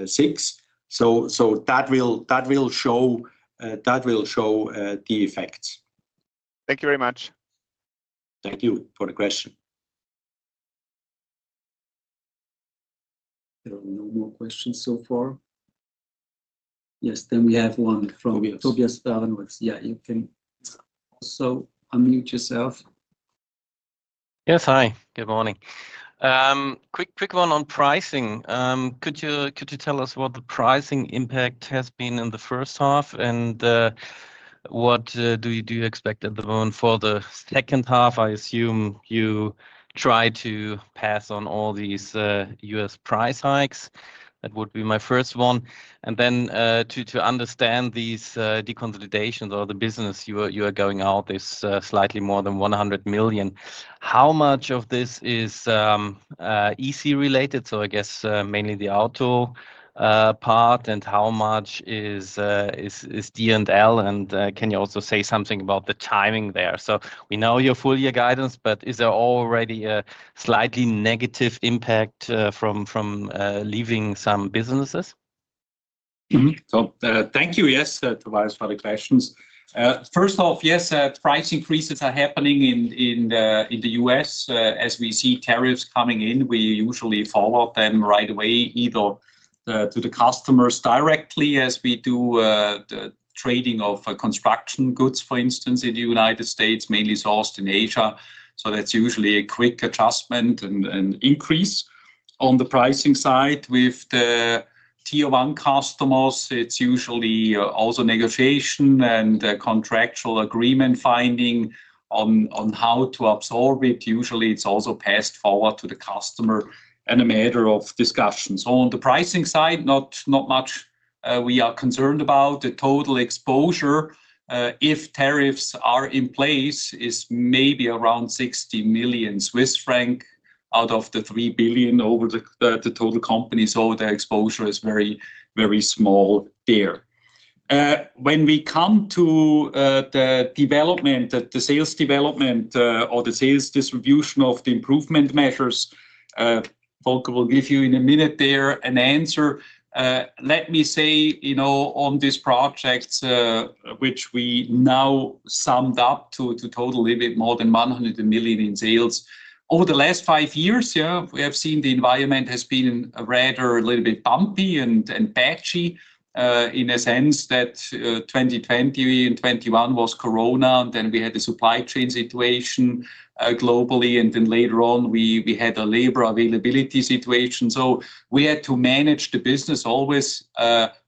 six. So so that will that will show that will show the effects. Thank you very much. Thank you for the question. No more questions so far. Then we have one from Tobias Valenwux. Yes, you can also unmute yourself. Yes, hi. Good morning. Quick one on pricing. Could you tell us what the pricing impact has been in the first half? And what do you expect at the moment for the second half? I assume you try to pass on all these U. S. Price hikes. That would be my first one. And then to understand these deconsolidations or the business you are going out is slightly more than 100,000,000. How much of this is EC related? So I guess mainly the auto part. And how much is D and L? And can you also say something about the timing there? So we know your full year guidance, but is there already a slightly negative impact from leaving some businesses? So thank you, yes, Tobias, for the questions. First off, yes, price increases are happening in The U. S. As we see tariffs coming in, we usually follow-up them right away either to the customers directly as we do the trading of construction goods, for instance, in The United States, mainly sourced in Asia. So that's usually a quick adjustment and and increase. On the pricing side, with tier one customers, it's usually also negotiation and contractual agreement finding on on how to absorb it. Usually, it's also passed forward to the customer and a matter of discussions. On the pricing side, not not much we are concerned about. The total exposure, if tariffs are in place, is maybe around 60,000,000 Swiss franc out of the 3,000,000,000 over the total company. So their exposure is very, very small there. When we come to the development, sales development or the sales distribution of the improvement measures, Volker will give you in a minute there an answer. Let me say, on this project, which we now summed up to total a bit more than 100,000,000 in sales. Over the last five years, we have seen the environment has been rather a little bit bumpy and patchy in a sense that 2020 and '21 was corona, then we had the supply chain situation globally. And then later on, we we had a labor availability situation. So we had to manage the business always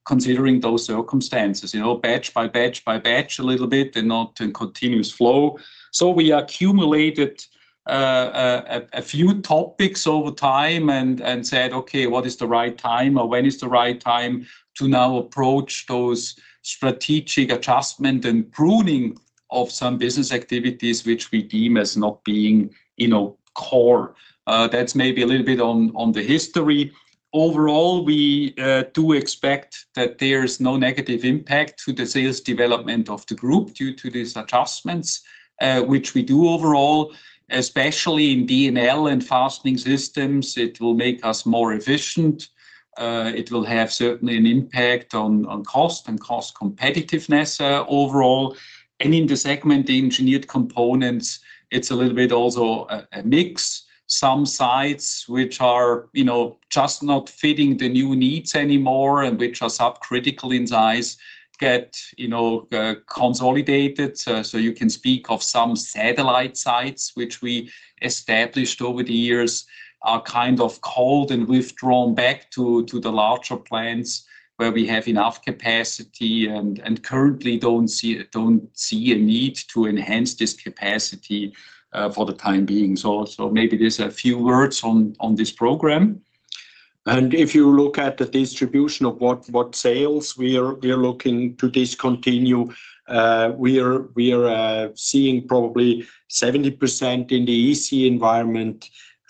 considering those circumstances, you know, batch by batch by batch a little bit and not in continuous flow. So we accumulated a few topics over time and and said, okay. What is the right time or when is the right time to now approach those strategic adjustment and pruning of some business activities which we deem as not being, you know, core? That's maybe a little bit on on the history. Overall, we do expect that there's no negative impact to the sales development of the group due to these adjustments, which we do overall, especially in D and L and fastening systems. It will make us more efficient. It will have certainly an impact on on cost and cost competitiveness overall. And in the segment, the engineered components, it's a little bit also a a mix. Some sites which are, you know, just not fitting the new needs anymore and which are subcritical in size get, you know, consolidated. So so you can speak of some satellite sites, which we established over the years, are kind of cold and withdrawn back to the larger plants where we have enough capacity and currently don't see a need to enhance this capacity for the time being. So so maybe there's a few words on on this program. And if you look at the distribution of what what sales we are we are looking to discontinue, we are we are seeing probably 70% in the EC environment,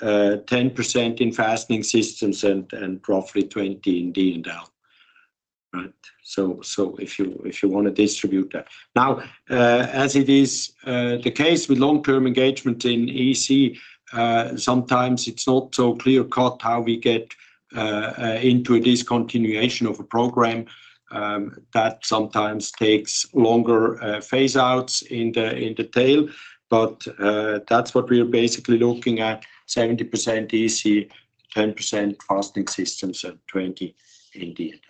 10% in fastening systems, and and roughly 20 in D and L. Right? So so if you if you wanna distribute that. Now as it is the case with long term engagement in EC, sometimes it's not so clear cut how we get into a discontinuation of a program that sometimes takes longer phase outs in the in the tail, but that's what we are basically looking at 70% EC, 10% fasting systems, 20 in the end.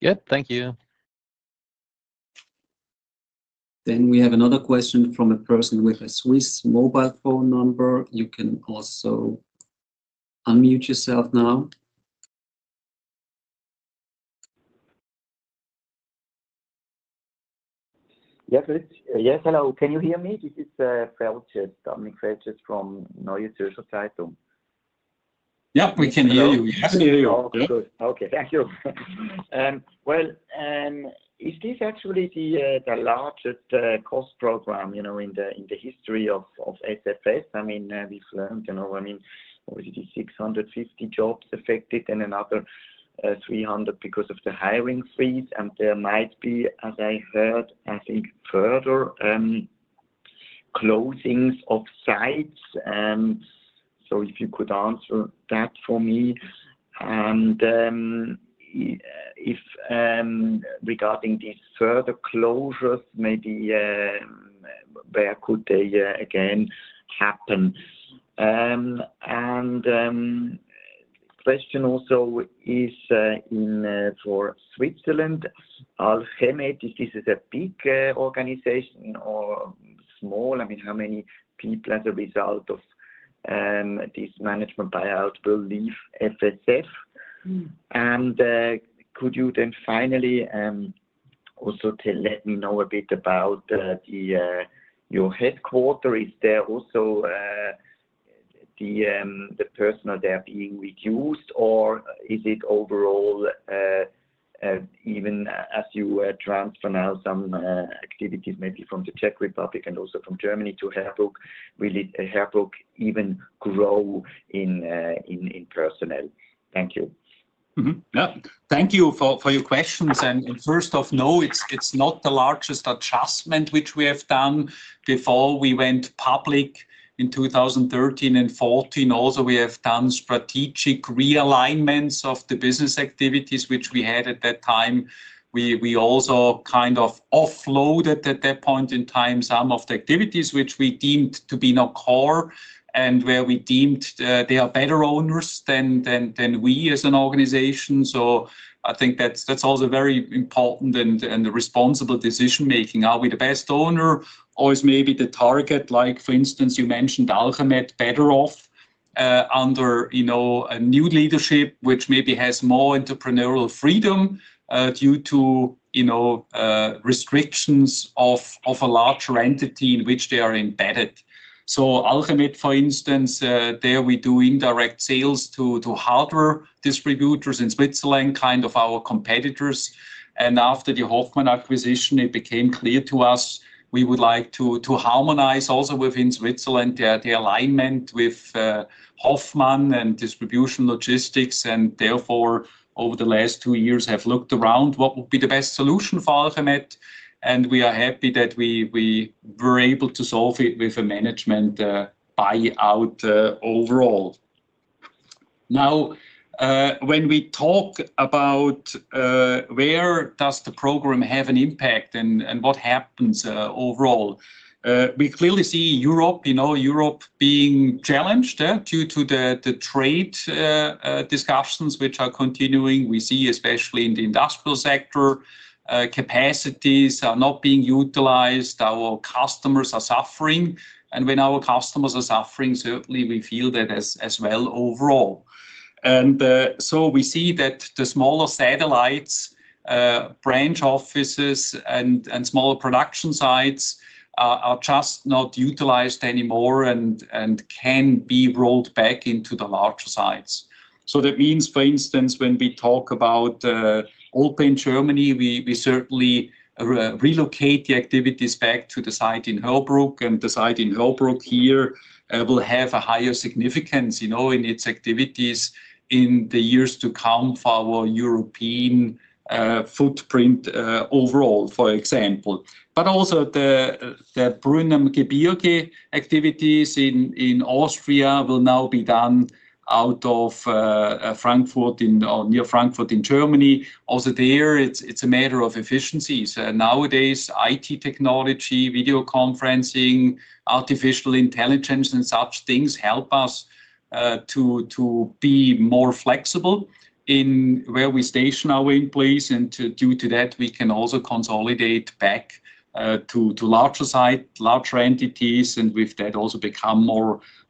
Yep. Thank you. Then we have another question from a person with a Swiss mobile phone number. You can also unmute yourself now. Yes. Yes. Hello. Can you hear me? This is from Neutrolscheitung. Yep. We can hear you. Yes. We can hear you. Okay. Good. Okay. Thank you. Well, is this actually the the largest cost program, you know, in the in the history of of SFS? I mean, we've learned, you know, I mean, obviously, 650 jobs affected and another 300 because of the hiring freeze. And there might be, as I heard, I think, closings of sites. And so if you could answer that for me. And if, regarding these further closures, maybe, where could they, again happen? And question also is in, for Switzerland. Alchemate, is this a big organization or small? I mean, how many people as a result of this management buyout will leave FSF? And could you then finally also to let me know a bit about the your headquarter. Is there also the the personnel there being reduced? Or is it overall even as you transfer now some activities maybe from The Czech Republic and also from Germany to Herbroek, will Herbroek even grow in in personnel? Thank you. Mhmm. Yep. Thank you for for your questions. And and first off, no. It's it's not the largest adjustment which we have done before we went public in 2013 and 'fourteen. Also, have done strategic realignments of the business activities which we had at that time. We also kind of offloaded at that point in time some of the activities which we deemed to be no core and where we deemed they are better owners than we as an organization. So I think that's that's also very important and and the responsible decision making. Are we the best owner? Or is maybe the target, like, for instance, you mentioned Algemet better off under, you know, a new leadership which maybe has more entrepreneurial freedom due to restrictions of a larger entity in which they are embedded. So Alchemit, for instance, there we do indirect sales to hardware distributors in Switzerland, kind of our competitors. And after the Hoffmann acquisition, it became clear to us, we would like to harmonize also within Switzerland the alignment with Hoffmann and distribution logistics. And therefore, over the last two years, have looked around what would be the best solution for Alphemet, and we are happy that we were able to solve it with a management buyout overall. Now when we talk about where does the program have an impact and and what happens overall, we clearly see Europe, you know, Europe being challenged due to the trade discussions, which are continuing. We see, especially in the industrial sector, capacities are not being utilized. Our customers are suffering. And when our customers are suffering, certainly, we feel that as well overall. And so we see that the smaller satellites, branch offices and smaller production sites are just not utilized anymore and can be rolled back into the larger sites. So that means, for instance, when we talk about Alpe in Germany, we certainly relocate the activities back to the site in Helbrook, and the site in Helbrook here will have a higher significance its activities in the years to come for our European footprint overall, for example. But also the activities in in Austria will now be done out of Frankfurt in near Frankfurt in Germany. Also there, it's it's a matter of efficiencies. Nowadays, IT technology, video conferencing, artificial intelligence and such things help us to to be more flexible in where we station our employees. And due to that, we can also consolidate back to larger site, larger entities, and with that, also become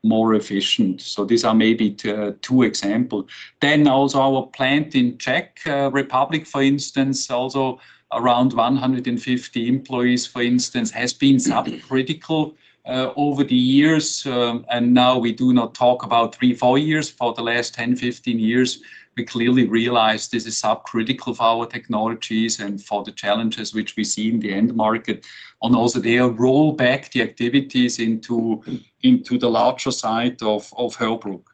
more efficient. So these are maybe two examples. Then also our plant in Czech Republic, for instance, also around 150 employees, for instance, has been subcritical over the years. And now we do not talk about three, four years. For the last ten, fifteen years, we clearly realize this is subcritical for our technologies and for the challenges which we see in the end market. And also they have rolled back the activities into into the larger side of of Helbrook.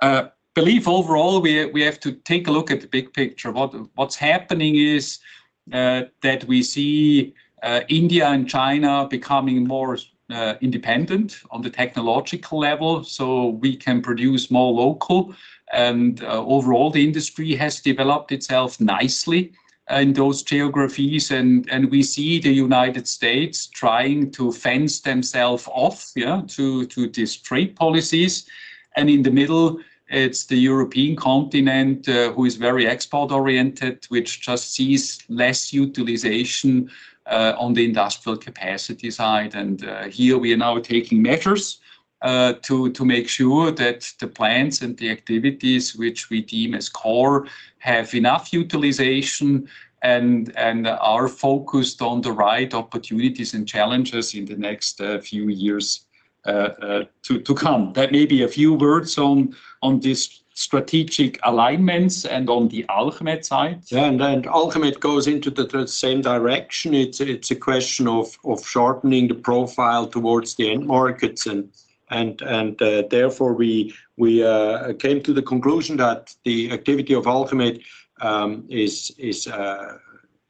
I believe, overall, we have to take a look at the big picture. What's happening is that we see India and China becoming more independent on the technological level so we can produce more local. And overall, the industry has developed itself nicely in those geographies, and and we see The United States trying to fence themselves off, yeah, to to these trade policies. And in the middle, it's the European continent who is very export oriented, which just sees less utilization on the industrial capacity side. And here, we are now taking measures to make sure that the plants and the activities which we deem as core have enough utilization and are focused on the right opportunities and challenges in the next few years to come. That may be a few words on this strategic alignments and on the Alkermet side. Yes. And Alkermet goes into the same direction. It's a question of shortening the profile towards the end markets. And and, therefore, we we came to the conclusion that the activity of Alkermit is is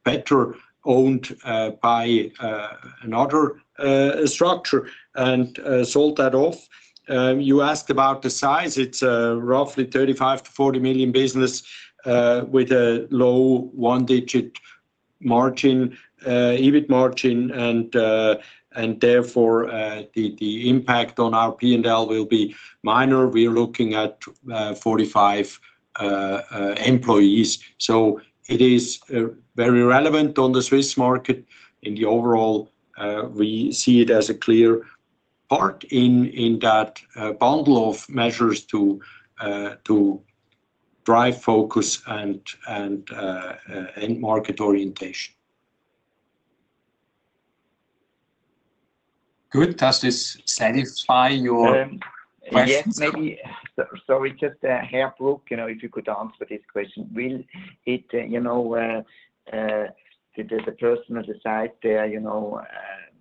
better owned by another structure and sold that off. You asked about the size. It's roughly 35,000,000 to 40,000,000 business with a low one digit margin, EBIT margin, and therefore, the the impact on our p and l will be minor. We are looking at, 45, employees. So it is very relevant on the Swiss market. In the overall, we see it as a clear part in in that bundle of measures to to drive focus and and end market orientation. Good. Does this satisfy your questions? Maybe sorry. Just, here, Brooke, you know, if you could answer this question. Will it, you know, did the person decide there, you know,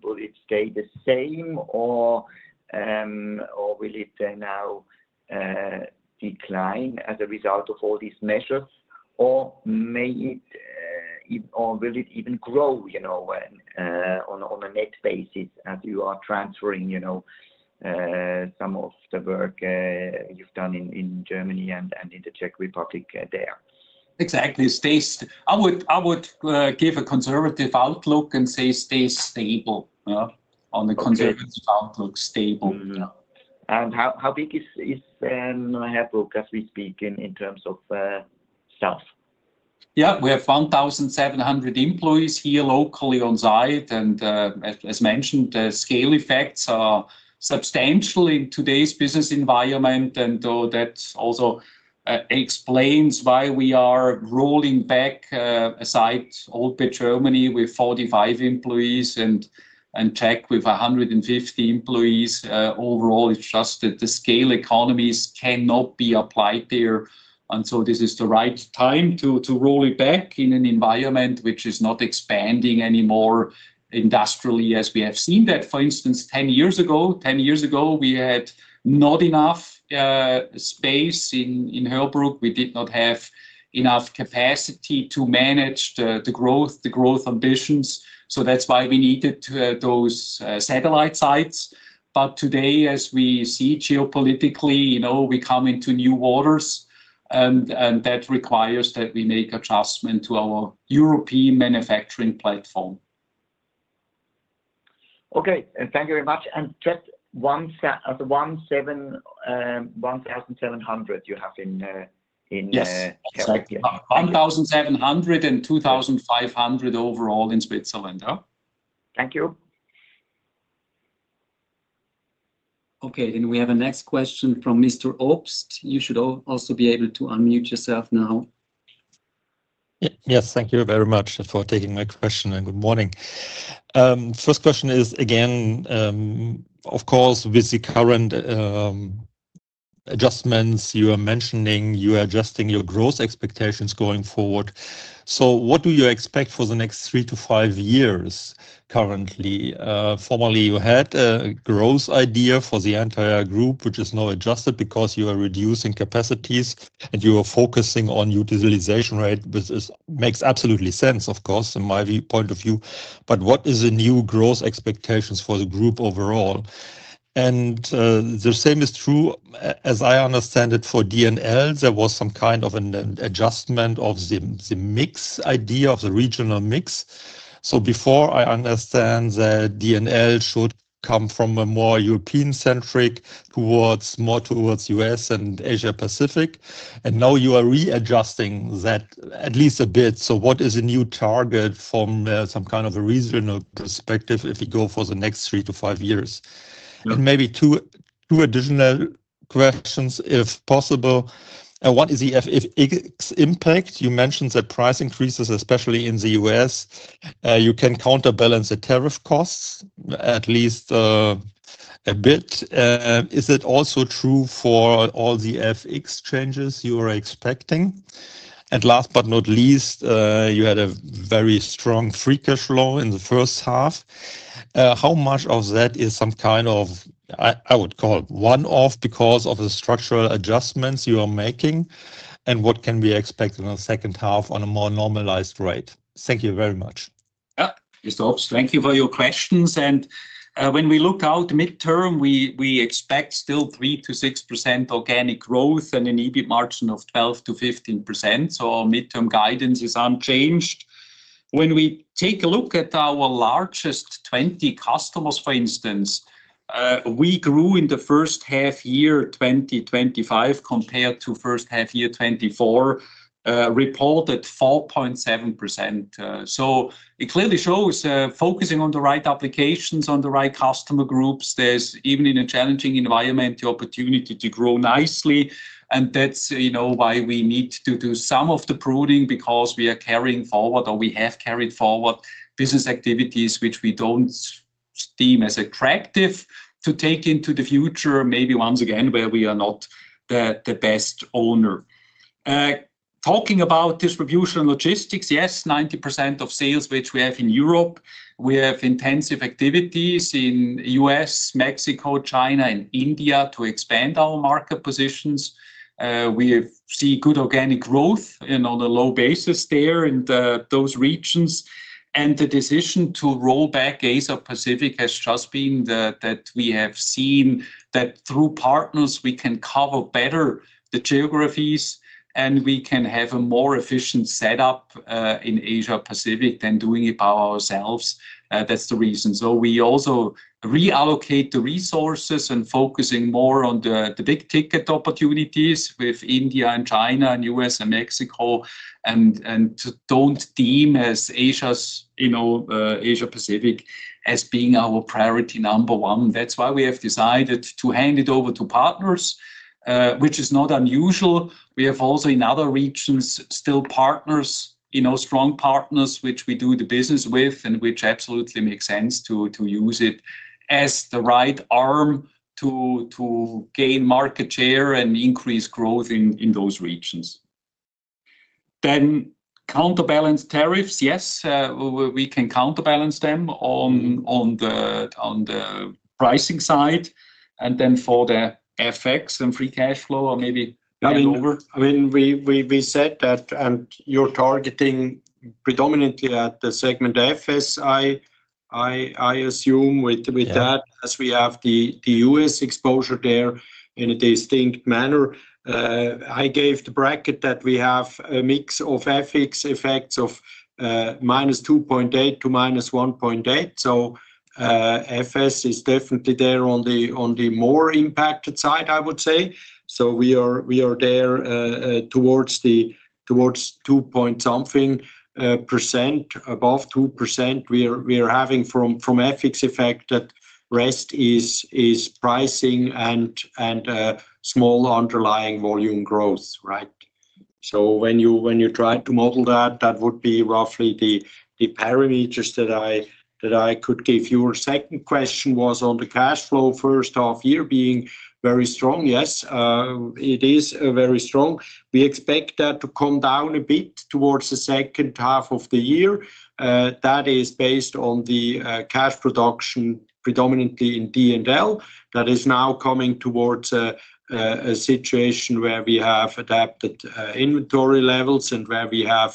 will it stay the same, or or will it now decline as a result of all these measures? Or may it or will it even grow, you know, when on on a net basis as you are transferring, you know, some of the work you've done in in Germany and and in The Czech Republic there? Exactly. Stays I would I would give a conservative outlook and say stay stable. Yeah? On the conservative outlook, stable. Mhmm. And how how big is is the network as we speak in in terms of staff? Yeah. We have 1,700 employees here locally on-site. And as as mentioned, the scale effects are substantially in today's business environment, and that also explains why we are rolling back aside Old Bay Germany with 45 employees and tech with a 150 employees. Overall, it's just that the scale economies cannot be applied there, until this is the right time to to roll it back in an environment which is not expanding anymore industrially as we have seen that. For instance, ten years ago ten years ago, we had not enough space in in Helbrook. We did not have enough capacity to manage the the growth the growth ambitions, so that's why we needed to have those satellite sites. But today, as we see geopolitically, you know, we come into new orders, and and that requires that we make adjustment to our European manufacturing platform. Okay. Thank you very much. And just 117 +1 you have in in Yes. 703,500 overall in Switzerland. Thank you. Okay. And we have a next question from Mr. Obst. You should also be able to unmute yourself now. Yes. Thank you very much for taking my question, and good morning. First question is, again, of course, with the current adjustments, you are mentioning you are adjusting your growth expectations going forward. So what do you expect for the next three to five years currently? Formally, had a growth idea for the entire group, which is now adjusted because you are reducing capacities and you are focusing on utilization rate. This makes absolutely sense, of course, from my point of view. But what is the new growth expectations for the group overall? And the same is true, as I understand it, for D and L. There was some kind of an adjustment of the mix idea of the regional mix. So before, I understand that D and L should come from a more European centric towards more towards U. S. And Asia Pacific. And now you are readjusting that at least a bit. So what is the new target from some kind of a regional perspective if you go for the next three to five years? And maybe two additional questions, if possible. What is the FX impact? You mentioned that price increases, especially in The U. S, you can counterbalance the tariff costs at least a bit. Is it also true for all the FX changes you expecting? And last but not least, you had a very strong free cash flow in the first half. How much of that is some kind of, I would call it, one off because of the structural adjustments you are making? And what can we expect in the second half on a more normalized rate? Thank you very much. Yes. Mr. Ops, thank you for your questions. And when we look out midterm, we expect still 3% to 6% organic growth and an EBIT margin of 12% to 15. So our midterm guidance is unchanged. When we take a look at our largest 20 customers, for instance, we grew in the first half year twenty twenty five compared to first half year twenty four, reported 4.7%. So it clearly shows focusing on the right applications, on the right customer groups, there's even in a challenging environment, the opportunity to grow nicely, and that's why we need to do some of the pruning because we are carrying forward or we have carried forward business activities, which we don't deem as attractive to take into the future, maybe once again where we are not the the best owner. Talking about distribution and logistics, yes, 90% of sales which we have in Europe. We have intensive activities in US, Mexico, China, and India to expand our market positions. We see good organic growth and on a low basis there in those regions. And the decision to roll back Asia Pacific has just been the that we have seen that through partners, we can cover better the geographies, and we can have a more efficient setup in Asia Pacific than doing it by ourselves. That's the reason. So we also reallocate the resources and focusing more on the the big ticket opportunities with India and China and US and Mexico and and don't deem as Asia's you know, Asia Pacific as being our priority number one. That's why we have decided to hand it over to partners, which is not unusual. We have also in other regions still partners, you know, strong partners, we do the business with and which absolutely makes sense to to use it as the right arm to to gain market share and increase growth in in those regions. Then counterbalance tariffs, yes, we can counterbalance them on on the on the pricing side. And then for the FX and free cash flow or I mean, we we we said that you're targeting predominantly at the segment FSI. I I assume with with that, as we have the The US exposure there in a distinct manner. I gave the bracket that we have a mix of FX effects of minus 2.8 to minus 1.8. So FS is definitely there on the on the more impacted side, I would say. So we are we are there towards the towards two point something percent, above 2%. We are we are having from from FX effect that rest is is pricing and and small underlying volume growth. Right? So when you when you try to model that, that would be roughly the the parameters that I that I could give you. Your second question was on the cash flow first half year being very strong. Yes. It is very strong. We expect that to come down a bit towards the second half of the year. That is based on the cash production predominantly in d and l. That is now coming towards a situation where we have adapted inventory levels and where we have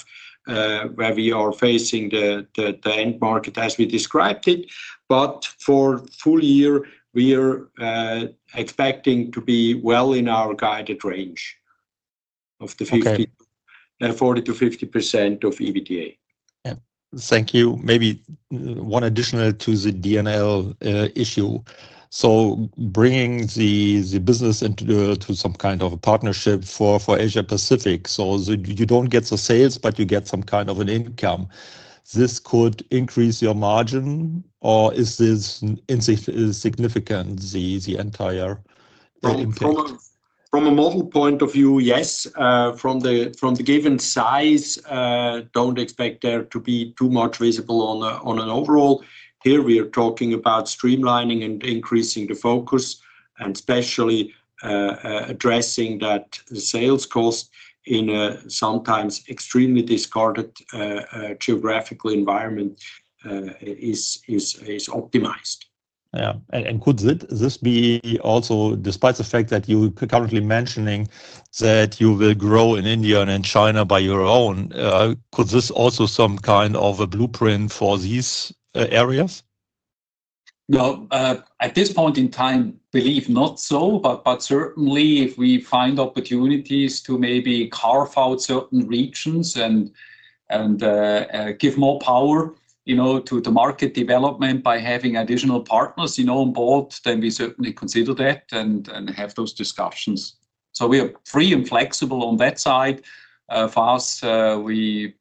where we are facing the the the end market as we described it. But for full year, we are expecting to be well in our guided range of the 50 40 to 50% of EBITDA. Thank you. Maybe one additional to the d and l issue. So bringing the the business into the to some kind of a partnership for for Asia Pacific. So you don't get the sales, but you get some kind of an income. This could increase your margin, or is this insignificant the the entire From a model point of view, yes. From the from the given size, don't expect there to be too much visible on a on an overall. Here, we are talking about streamlining and increasing the focus and especially addressing that the sales cost in a sometimes extremely discarded geographical environment is is is optimized. Yeah. And could this be also despite the fact that you currently mentioning that you will grow in India and in China by your own, could this also some kind of a blueprint for these areas? No. At this point in time, believe not so, but but certainly, we find opportunities to maybe carve out certain regions and and give more power, you know, to the market development by having additional partners, you know, on board, then we certainly consider that and and have those discussions. So we are free and flexible on that side. For us, we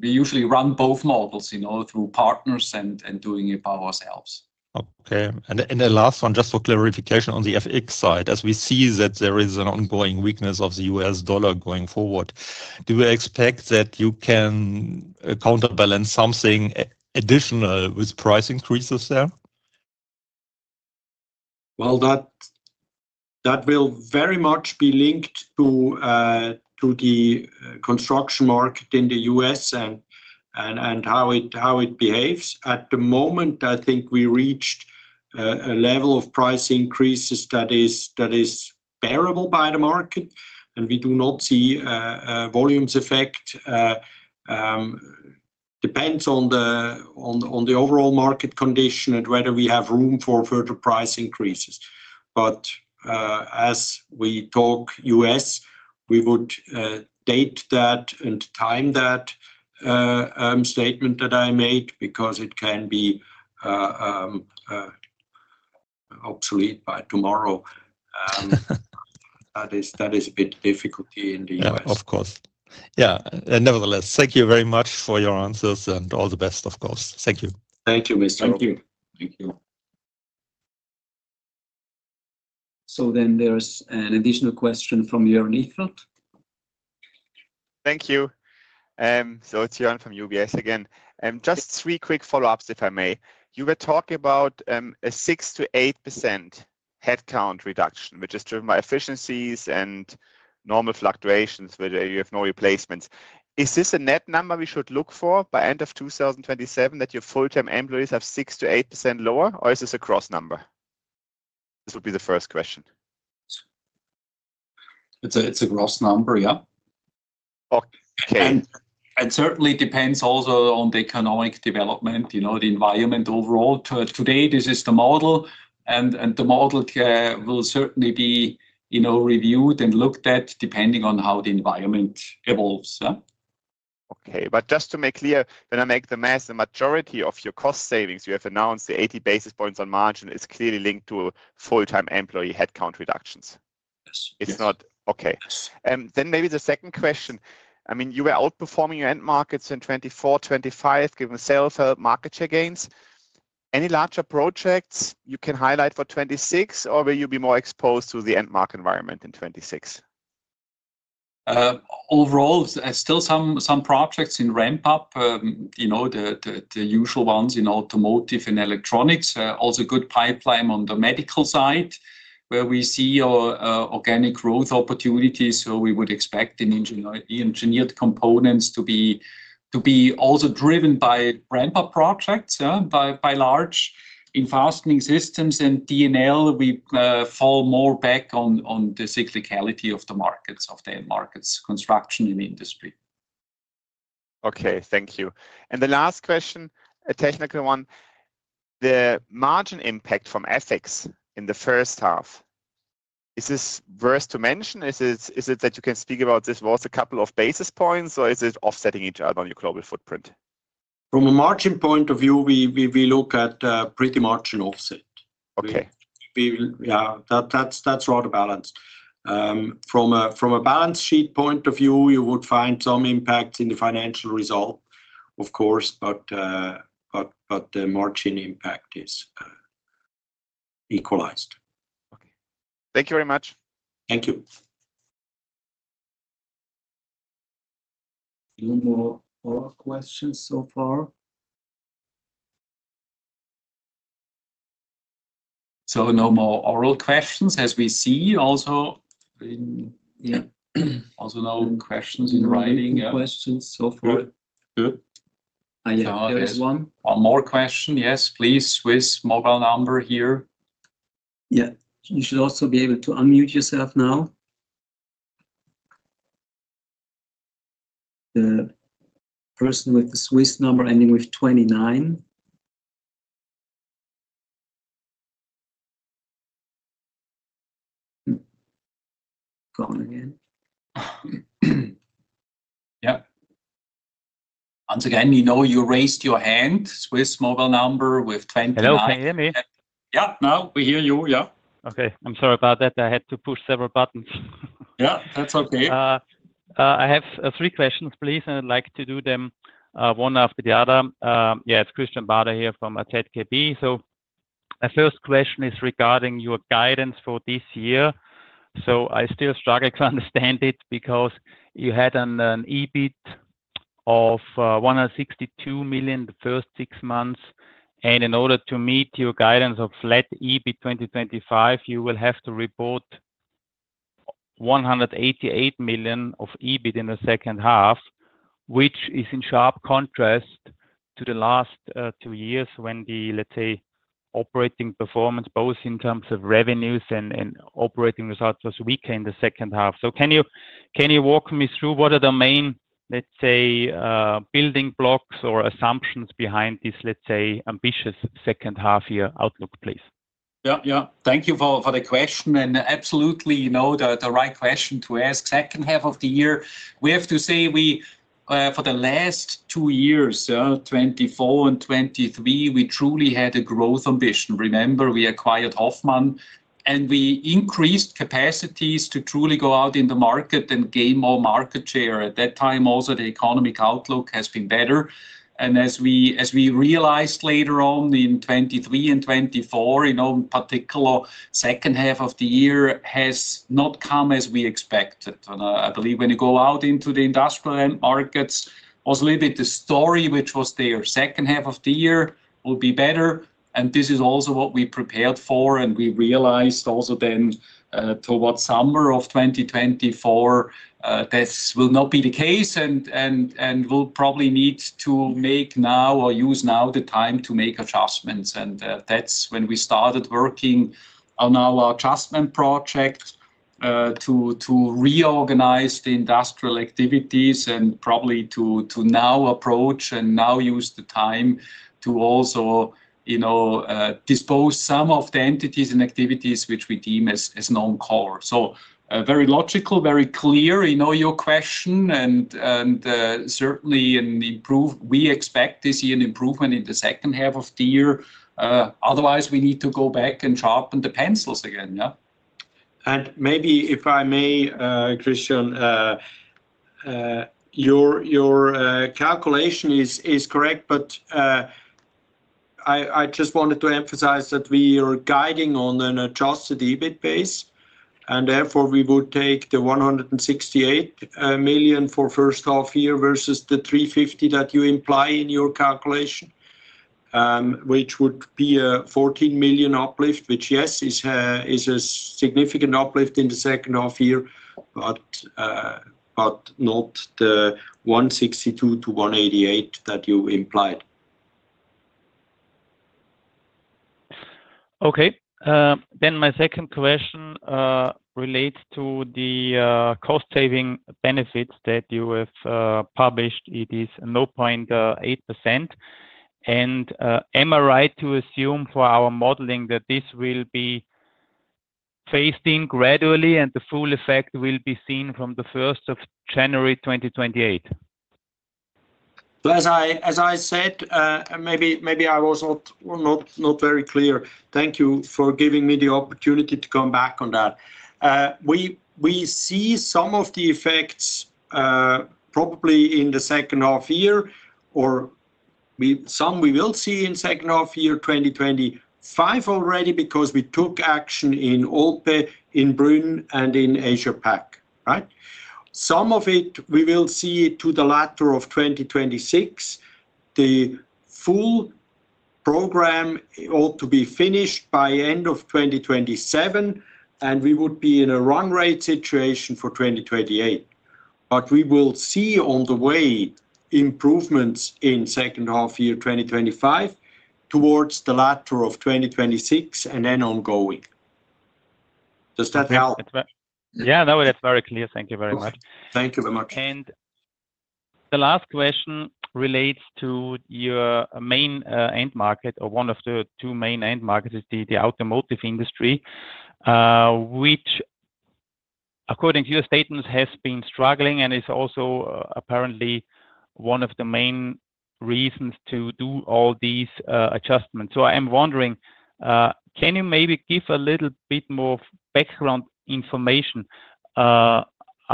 usually run both models through partners and doing it by ourselves. Okay. And the last one, just for clarification on the FX side. As we see that there is an ongoing weakness of The US Dollar going forward, Do we expect that you can counterbalance something additional with price increases there? Well that will very much be linked to to the construction market in The US and and and how it how it behaves. At the moment, I think we reached a level of price increases that is that is bearable by the market, and we do not see a volumes effect. Depends on the on on the overall market condition and whether we have room for further price increases. But as we talk US, we would date that and time that statement that I made because it can be obsolete by tomorrow. That that is a bit difficult in The US. Yeah. Of course. Yeah. Nevertheless, thank you very much for your answers and all the best, of course. Thank you. Thank you, mister. Thank you. So then there's an additional question from Jorn Niflat. Thank you. So it's Jorn from UBS again. Just three quick follow ups, if I may. You were talking about a 6% to 8% headcount reduction, which is driven by efficiencies and normal fluctuations where you have no replacements. Is this a net number we should look for by 2027 that your full term employees have 6% to 8% lower? Or is this a gross number? This would be the first question. It's a it's a gross number. Yeah. Okay. And certainly depends also on the economic development, you know, the environment overall. Today, this is the model, and and the model will certainly be, you know, reviewed and looked at depending on how the environment evolves. Okay. But just to make clear, when I make the math, the majority of your cost savings you have announced, the 80 basis points on margin is clearly linked to full time employee headcount reductions. It's not okay. Then maybe the second question. I mean you were outperforming your end markets in 2024, 2025, given sales and market share gains. Any larger projects you can highlight for 2026? Or will you be more exposed to the end market environment in 2026? Overall, still some projects in ramp up, the the the usual ones in automotive and electronics, also good pipeline on the medical side where we see organic growth opportunities. So we would expect in engine engineered components to be to be also driven by ramp up projects, by large. In fastening systems and D and L, we fall more back on the cyclicality of the markets, of the end markets, construction and industry. Okay. Thank you. And the last question, a technical one. The margin impact from FX in the first half, is this worth to mention? Is it is it that you can speak about this was a couple of basis points? Or is it offsetting each other on global your footprint? From a margin point of view, we look at pretty much an offset. We will yes, that's rather balanced. From a balance sheet point of view, you would find some impact in the financial result, of course, but but but the margin impact is equalized. Okay. Thank you very much. Thank you. No more oral questions so far? So no more oral questions as we see also in Yeah. Also no questions in writing. Yeah. Questions. So Good. Good. Have one. One more question. Yes, please. Swiss mobile number here. Yeah. You should also be able to unmute yourself now. The person with the Swiss number ending with 29. Going again. Yep. Once again, you know you raised your hand. Swiss mobile number with 10 Hello. Can you hear me? Yes. Now we hear you. Yes. Okay. I'm sorry about that. I had to push several buttons. Yes. That's okay. I have three questions, please, and I'd like to do them one after the other. Yes, it's Christian Barder here from ATKB. So my first question is regarding your guidance for this year. So I still struggle to understand it because you had an EBIT of 162,000,000 in the first six months. And in order to meet your guidance of flat EBIT 2025, you will have to report 188,000,000 of EBIT in the second half, which is in sharp contrast to the last two years when the, let's say, operating performance, both in terms of revenues and operating results, was weaker in the second half. So can you walk me through what are the main, let's say, building blocks or assumptions behind this, let's say, ambitious second half year outlook, please? Yes. Thank you for the question. And absolutely, the right question to ask second half of the year. We have to say, for the last two years, 'twenty four and 'twenty three, we truly had a growth ambition. Remember, we acquired Hoffmann, and we increased capacities to truly go out in the market and gain more market share. At that time, also the economic outlook has been better. And as we realized later on in 'twenty three and 'twenty four, particular, second half of the year has not come as we expected. And I believe when you go out into the industrial end markets, was a little bit the story, which was there second half of the year, will be better. And this is also what we prepared for, and we realized also then towards summer of twenty twenty four, This will not be the case, and we'll probably need to make now or use now the time to make adjustments. And that's when we started working on our adjustment project to reorganize the industrial activities and probably to now approach and now use the time to also dispose some of the entities and activities which we deem as non core. So very logical, very clear, your question. And certainly, in the improved we expect to see an improvement in the second half of the year. Otherwise, we need to go back and sharpen the pencils again, yes? And maybe, if I may, Christian, your calculation is correct, but I just wanted to emphasize that we are guiding on an adjusted EBIT base. And therefore, we would take the 168,000,000 for first half year versus the $350,000,000 that you imply in your calculation, which would be a 14,000,000 uplift, which, yes, is a is a significant uplift in the second half year, but not the 162,000,000 to 188,000,000 that you implied. Okay. Then my second question relates to the cost saving benefits that you have published. It is 0.8%. And am I right to assume for our modeling that this will be facing gradually and the full effect will be seen from the January 1? As I said, maybe I was not very clear. Thank you for giving me the opportunity to come back on that. We we see some of the effects, probably in the second half year or we some we will see in second half year twenty twenty, five already because we took action in OPEC, in Britain, and in Asia Pac. Right? Some of it, we will see to the latter of twenty twenty six. The full program ought to be finished by end of twenty twenty seven, and we would be in a run rate situation for 2028. But we will see all the way improvements in second half year twenty twenty five towards the latter of 2026 and then ongoing. Does that help? Yes. No. That's very clear. Thank you very Thank you very much. And the last question relates to your main end market or one of the two main end markets is the automotive industry, which, according to your statements, has been struggling and is also apparently one of the main reasons to do all these adjustments. So I am wondering, can you maybe give a little bit more background information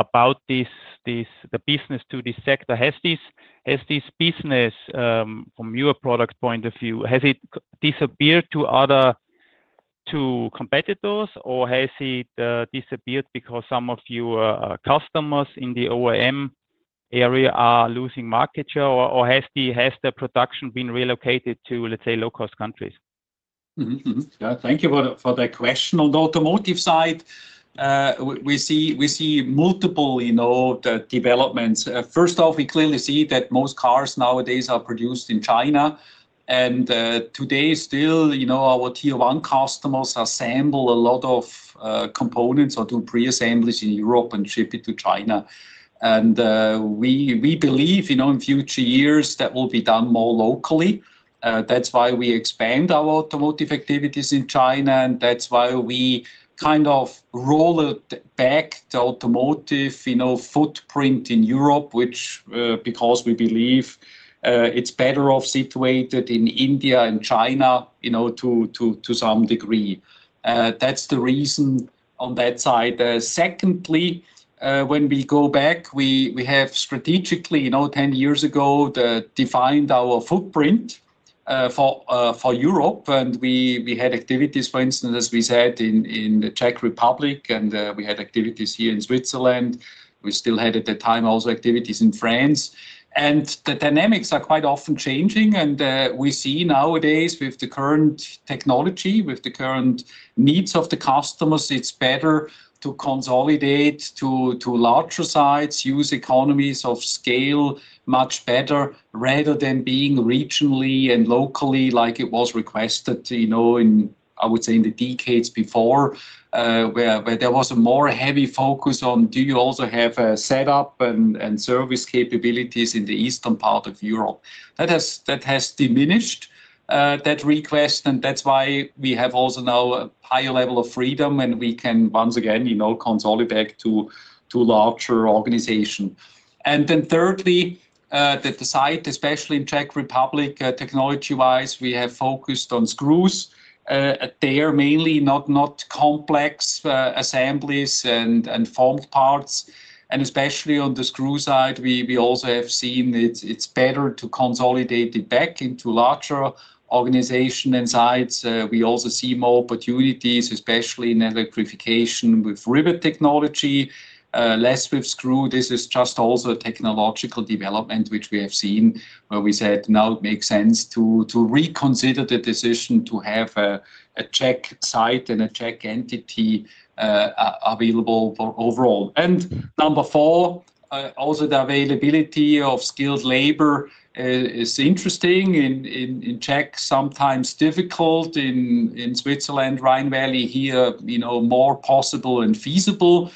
about this the business to this sector? This business, from your product point of view, has it disappeared to other to competitors? Or has it disappeared because some of your customers in the OEM area are losing market share? Or has the production been relocated to, let's say, low cost countries? Thank you for that question. On the automotive side, we see multiple developments. First off, we clearly see that most cars nowadays are produced in China. And today, still, our Tier one customers assemble a lot of components or do preassemblies in Europe and ship it to China. And we believe in future years, that will be done more locally. That's why we expand our automotive activities in China, and that's why we kind of roll it back to automotive footprint in Europe, which because we believe it's better off situated in India and China to some degree. That's the reason on that side. Secondly, when we go back, we have strategically, ten years ago, defined our footprint for Europe, and we had activities, for instance, as we said, in The Czech Republic, and we had activities here in Switzerland. We still had at that time also activities in France. And the dynamics are quite often changing, and we see nowadays with the current technology, with the current needs of the customers, it's better to consolidate to to larger sites, use economies of scale much better rather than being regionally and locally like it was requested, you know, in, I would say, the decades before, there was a more heavy focus on do you also have a setup and service capabilities in the Eastern Part Of Europe. That has diminished that request, and that's why we have also now a higher level of freedom, and we can once again consolidate to larger organization. And then thirdly, the site, especially in Czech Republic, technology wise, we have focused on screws. They are mainly not complex assemblies and formed parts. And especially on the screw side, we also have seen it's better to consolidate it back into larger organization and sites. We also see more opportunities, especially in electrification with rivet technology, less with screw. This is just also a technological development, which we have seen where we said, now it makes sense to reconsider the decision to have a Czech site and a Czech entity available for overall. And number four, also the availability of skilled labor is interesting. In Czech, sometimes difficult in Switzerland, Rhine Valley here, more possible and feasible.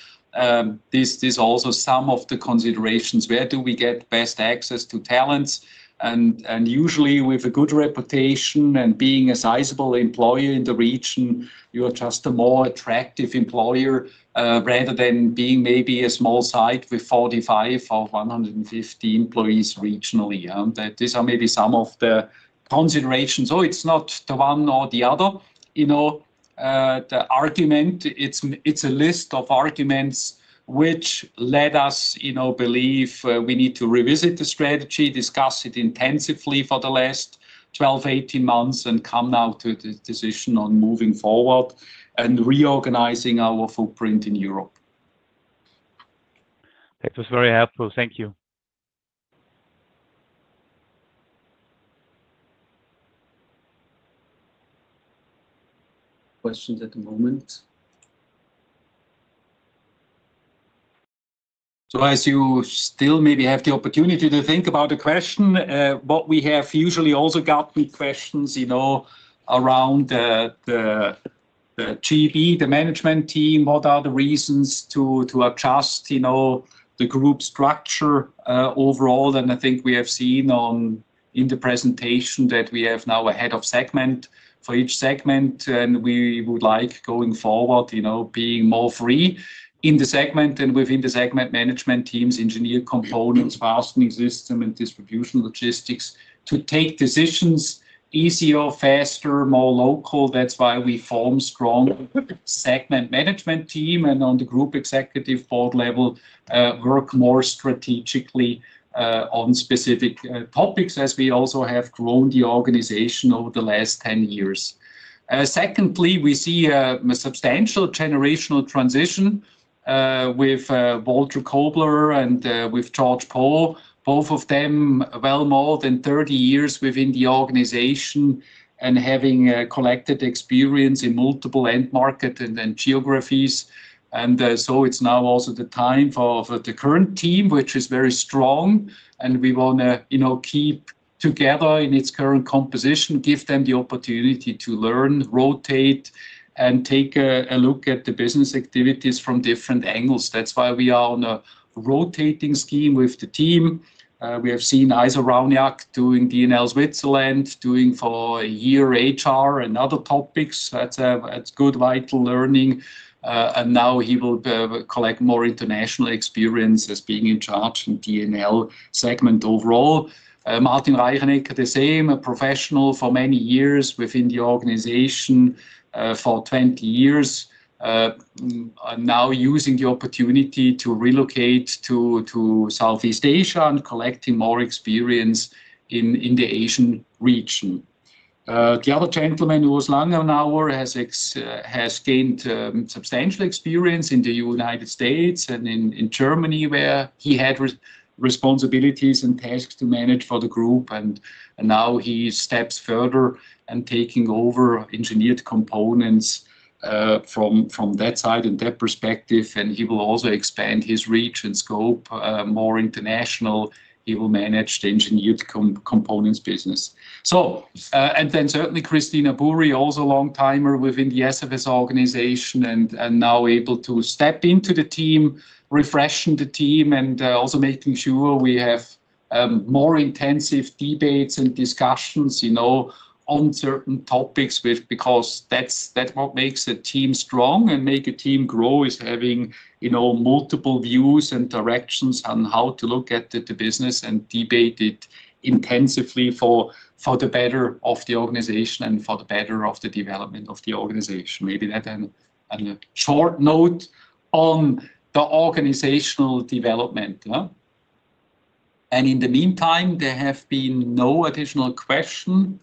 This is also some of the considerations where do we get best access to talents. And and usually, with a good reputation and being a sizable employer in the region, you are just a more attractive employer rather than being maybe a small site with 45 or 150 employees regionally. These are maybe some of the considerations. Oh, it's not the one or the other. The argument, it's a list of arguments which led us believe we need to revisit the strategy, discuss it intensively for the last twelve, eighteen months and come now to a decision on moving forward and reorganizing our footprint in Europe. That was very helpful. Thank you. Questions at the moment? So as you still maybe have the opportunity to think about the question, what we have usually also got big questions around GP, the management team, what are the reasons to adjust the group structure overall than I think we have seen on in the presentation that we have now a head of segment for each segment, and we would like going forward, you know, being more free in the segment and within the segment management teams, engineered components, fastening system, and distribution logistics to take decisions easier, faster, more local. That's why we formed strong segment management team, and on the group executive board level, work more strategically on specific topics as we also have grown the organization over the last ten years. Secondly, we see substantial generational transition with Walter Kobler and with George Paul, both of them well more than thirty years within the organization and having collected experience in multiple end market and then geographies. And so it's now also the time for the current team, which is very strong, and we want to keep together in its current composition, give them the opportunity to learn, rotate and take a look at the business activities from different angles. That's why we are on a rotating scheme with the team. We have seen Isaac Raujnak doing D and L Switzerland, doing for a year HR and other topics. That's a that's good, vital learning. And now he will collect more international experience as being in charge in D and L segment overall. Martin Reichenik, the same, a professional for many years within the organization for twenty years, now using the opportunity to relocate to to Southeast Asia and collecting more experience in in the Asian region. The other gentleman who was longer now has has gained substantial experience in The United States and in in Germany where he had responsibilities and tasks to manage for the group, and now he steps further and taking over engineered components from that side and their perspective, and he will also expand his reach and scope more international. He will manage the Engineered Components business. So and then certainly, Cristina Burri, also a long timer within the SFS organization and now able to step into the team, refreshing the team and also making sure we have more intensive debates and discussions, you know, on certain topics with because that's that what makes the team strong and make a team grow is having, you know, multiple views and directions on how to look at the the business and debate it intensively for for the better of the organization and for the better of the development of the organization. Maybe that then and a short note on the organizational development. And in the meantime, there have been no additional questions.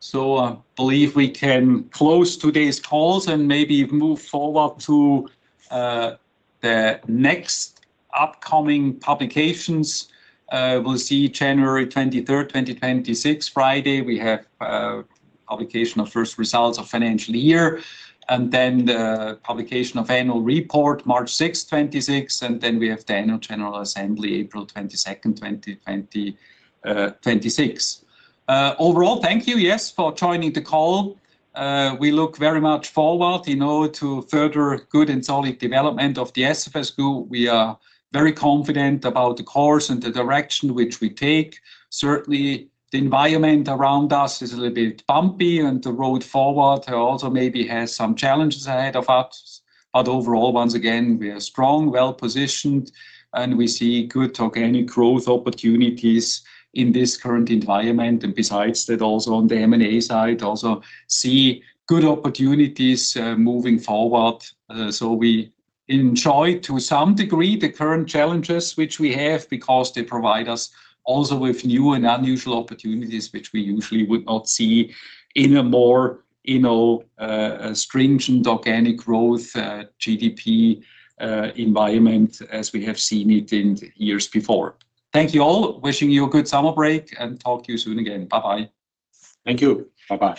So I believe we can close today's calls and maybe move forward to upcoming publications. We'll see 01/23/2026. Friday, we have publication of first results of financial year and then the publication of annual report, 03/06/2026, and then we have the Annual General Assembly, 04/22/2026. Overall, thank you, yes, for joining the call. We look very much forward in order to further good and solid development of the SFS group. We are very confident about the course and the direction which we take. Certainly, the environment around us is a little bit bumpy, and the road forward also maybe has some challenges ahead of us. But overall, once again, we are strong, well positioned, and we see good organic growth opportunities in this current environment. And besides that, also on the m and a side, also see good opportunities moving forward. So we enjoy to some degree the current challenges which we have because they provide us also with new and unusual opportunities, which we usually would not see in a more, you know, stringent organic growth GDP environment as we have seen it in years before. Thank you all. Wishing you a good summer break, and talk to you soon again. Bye bye. Thank you. Bye bye.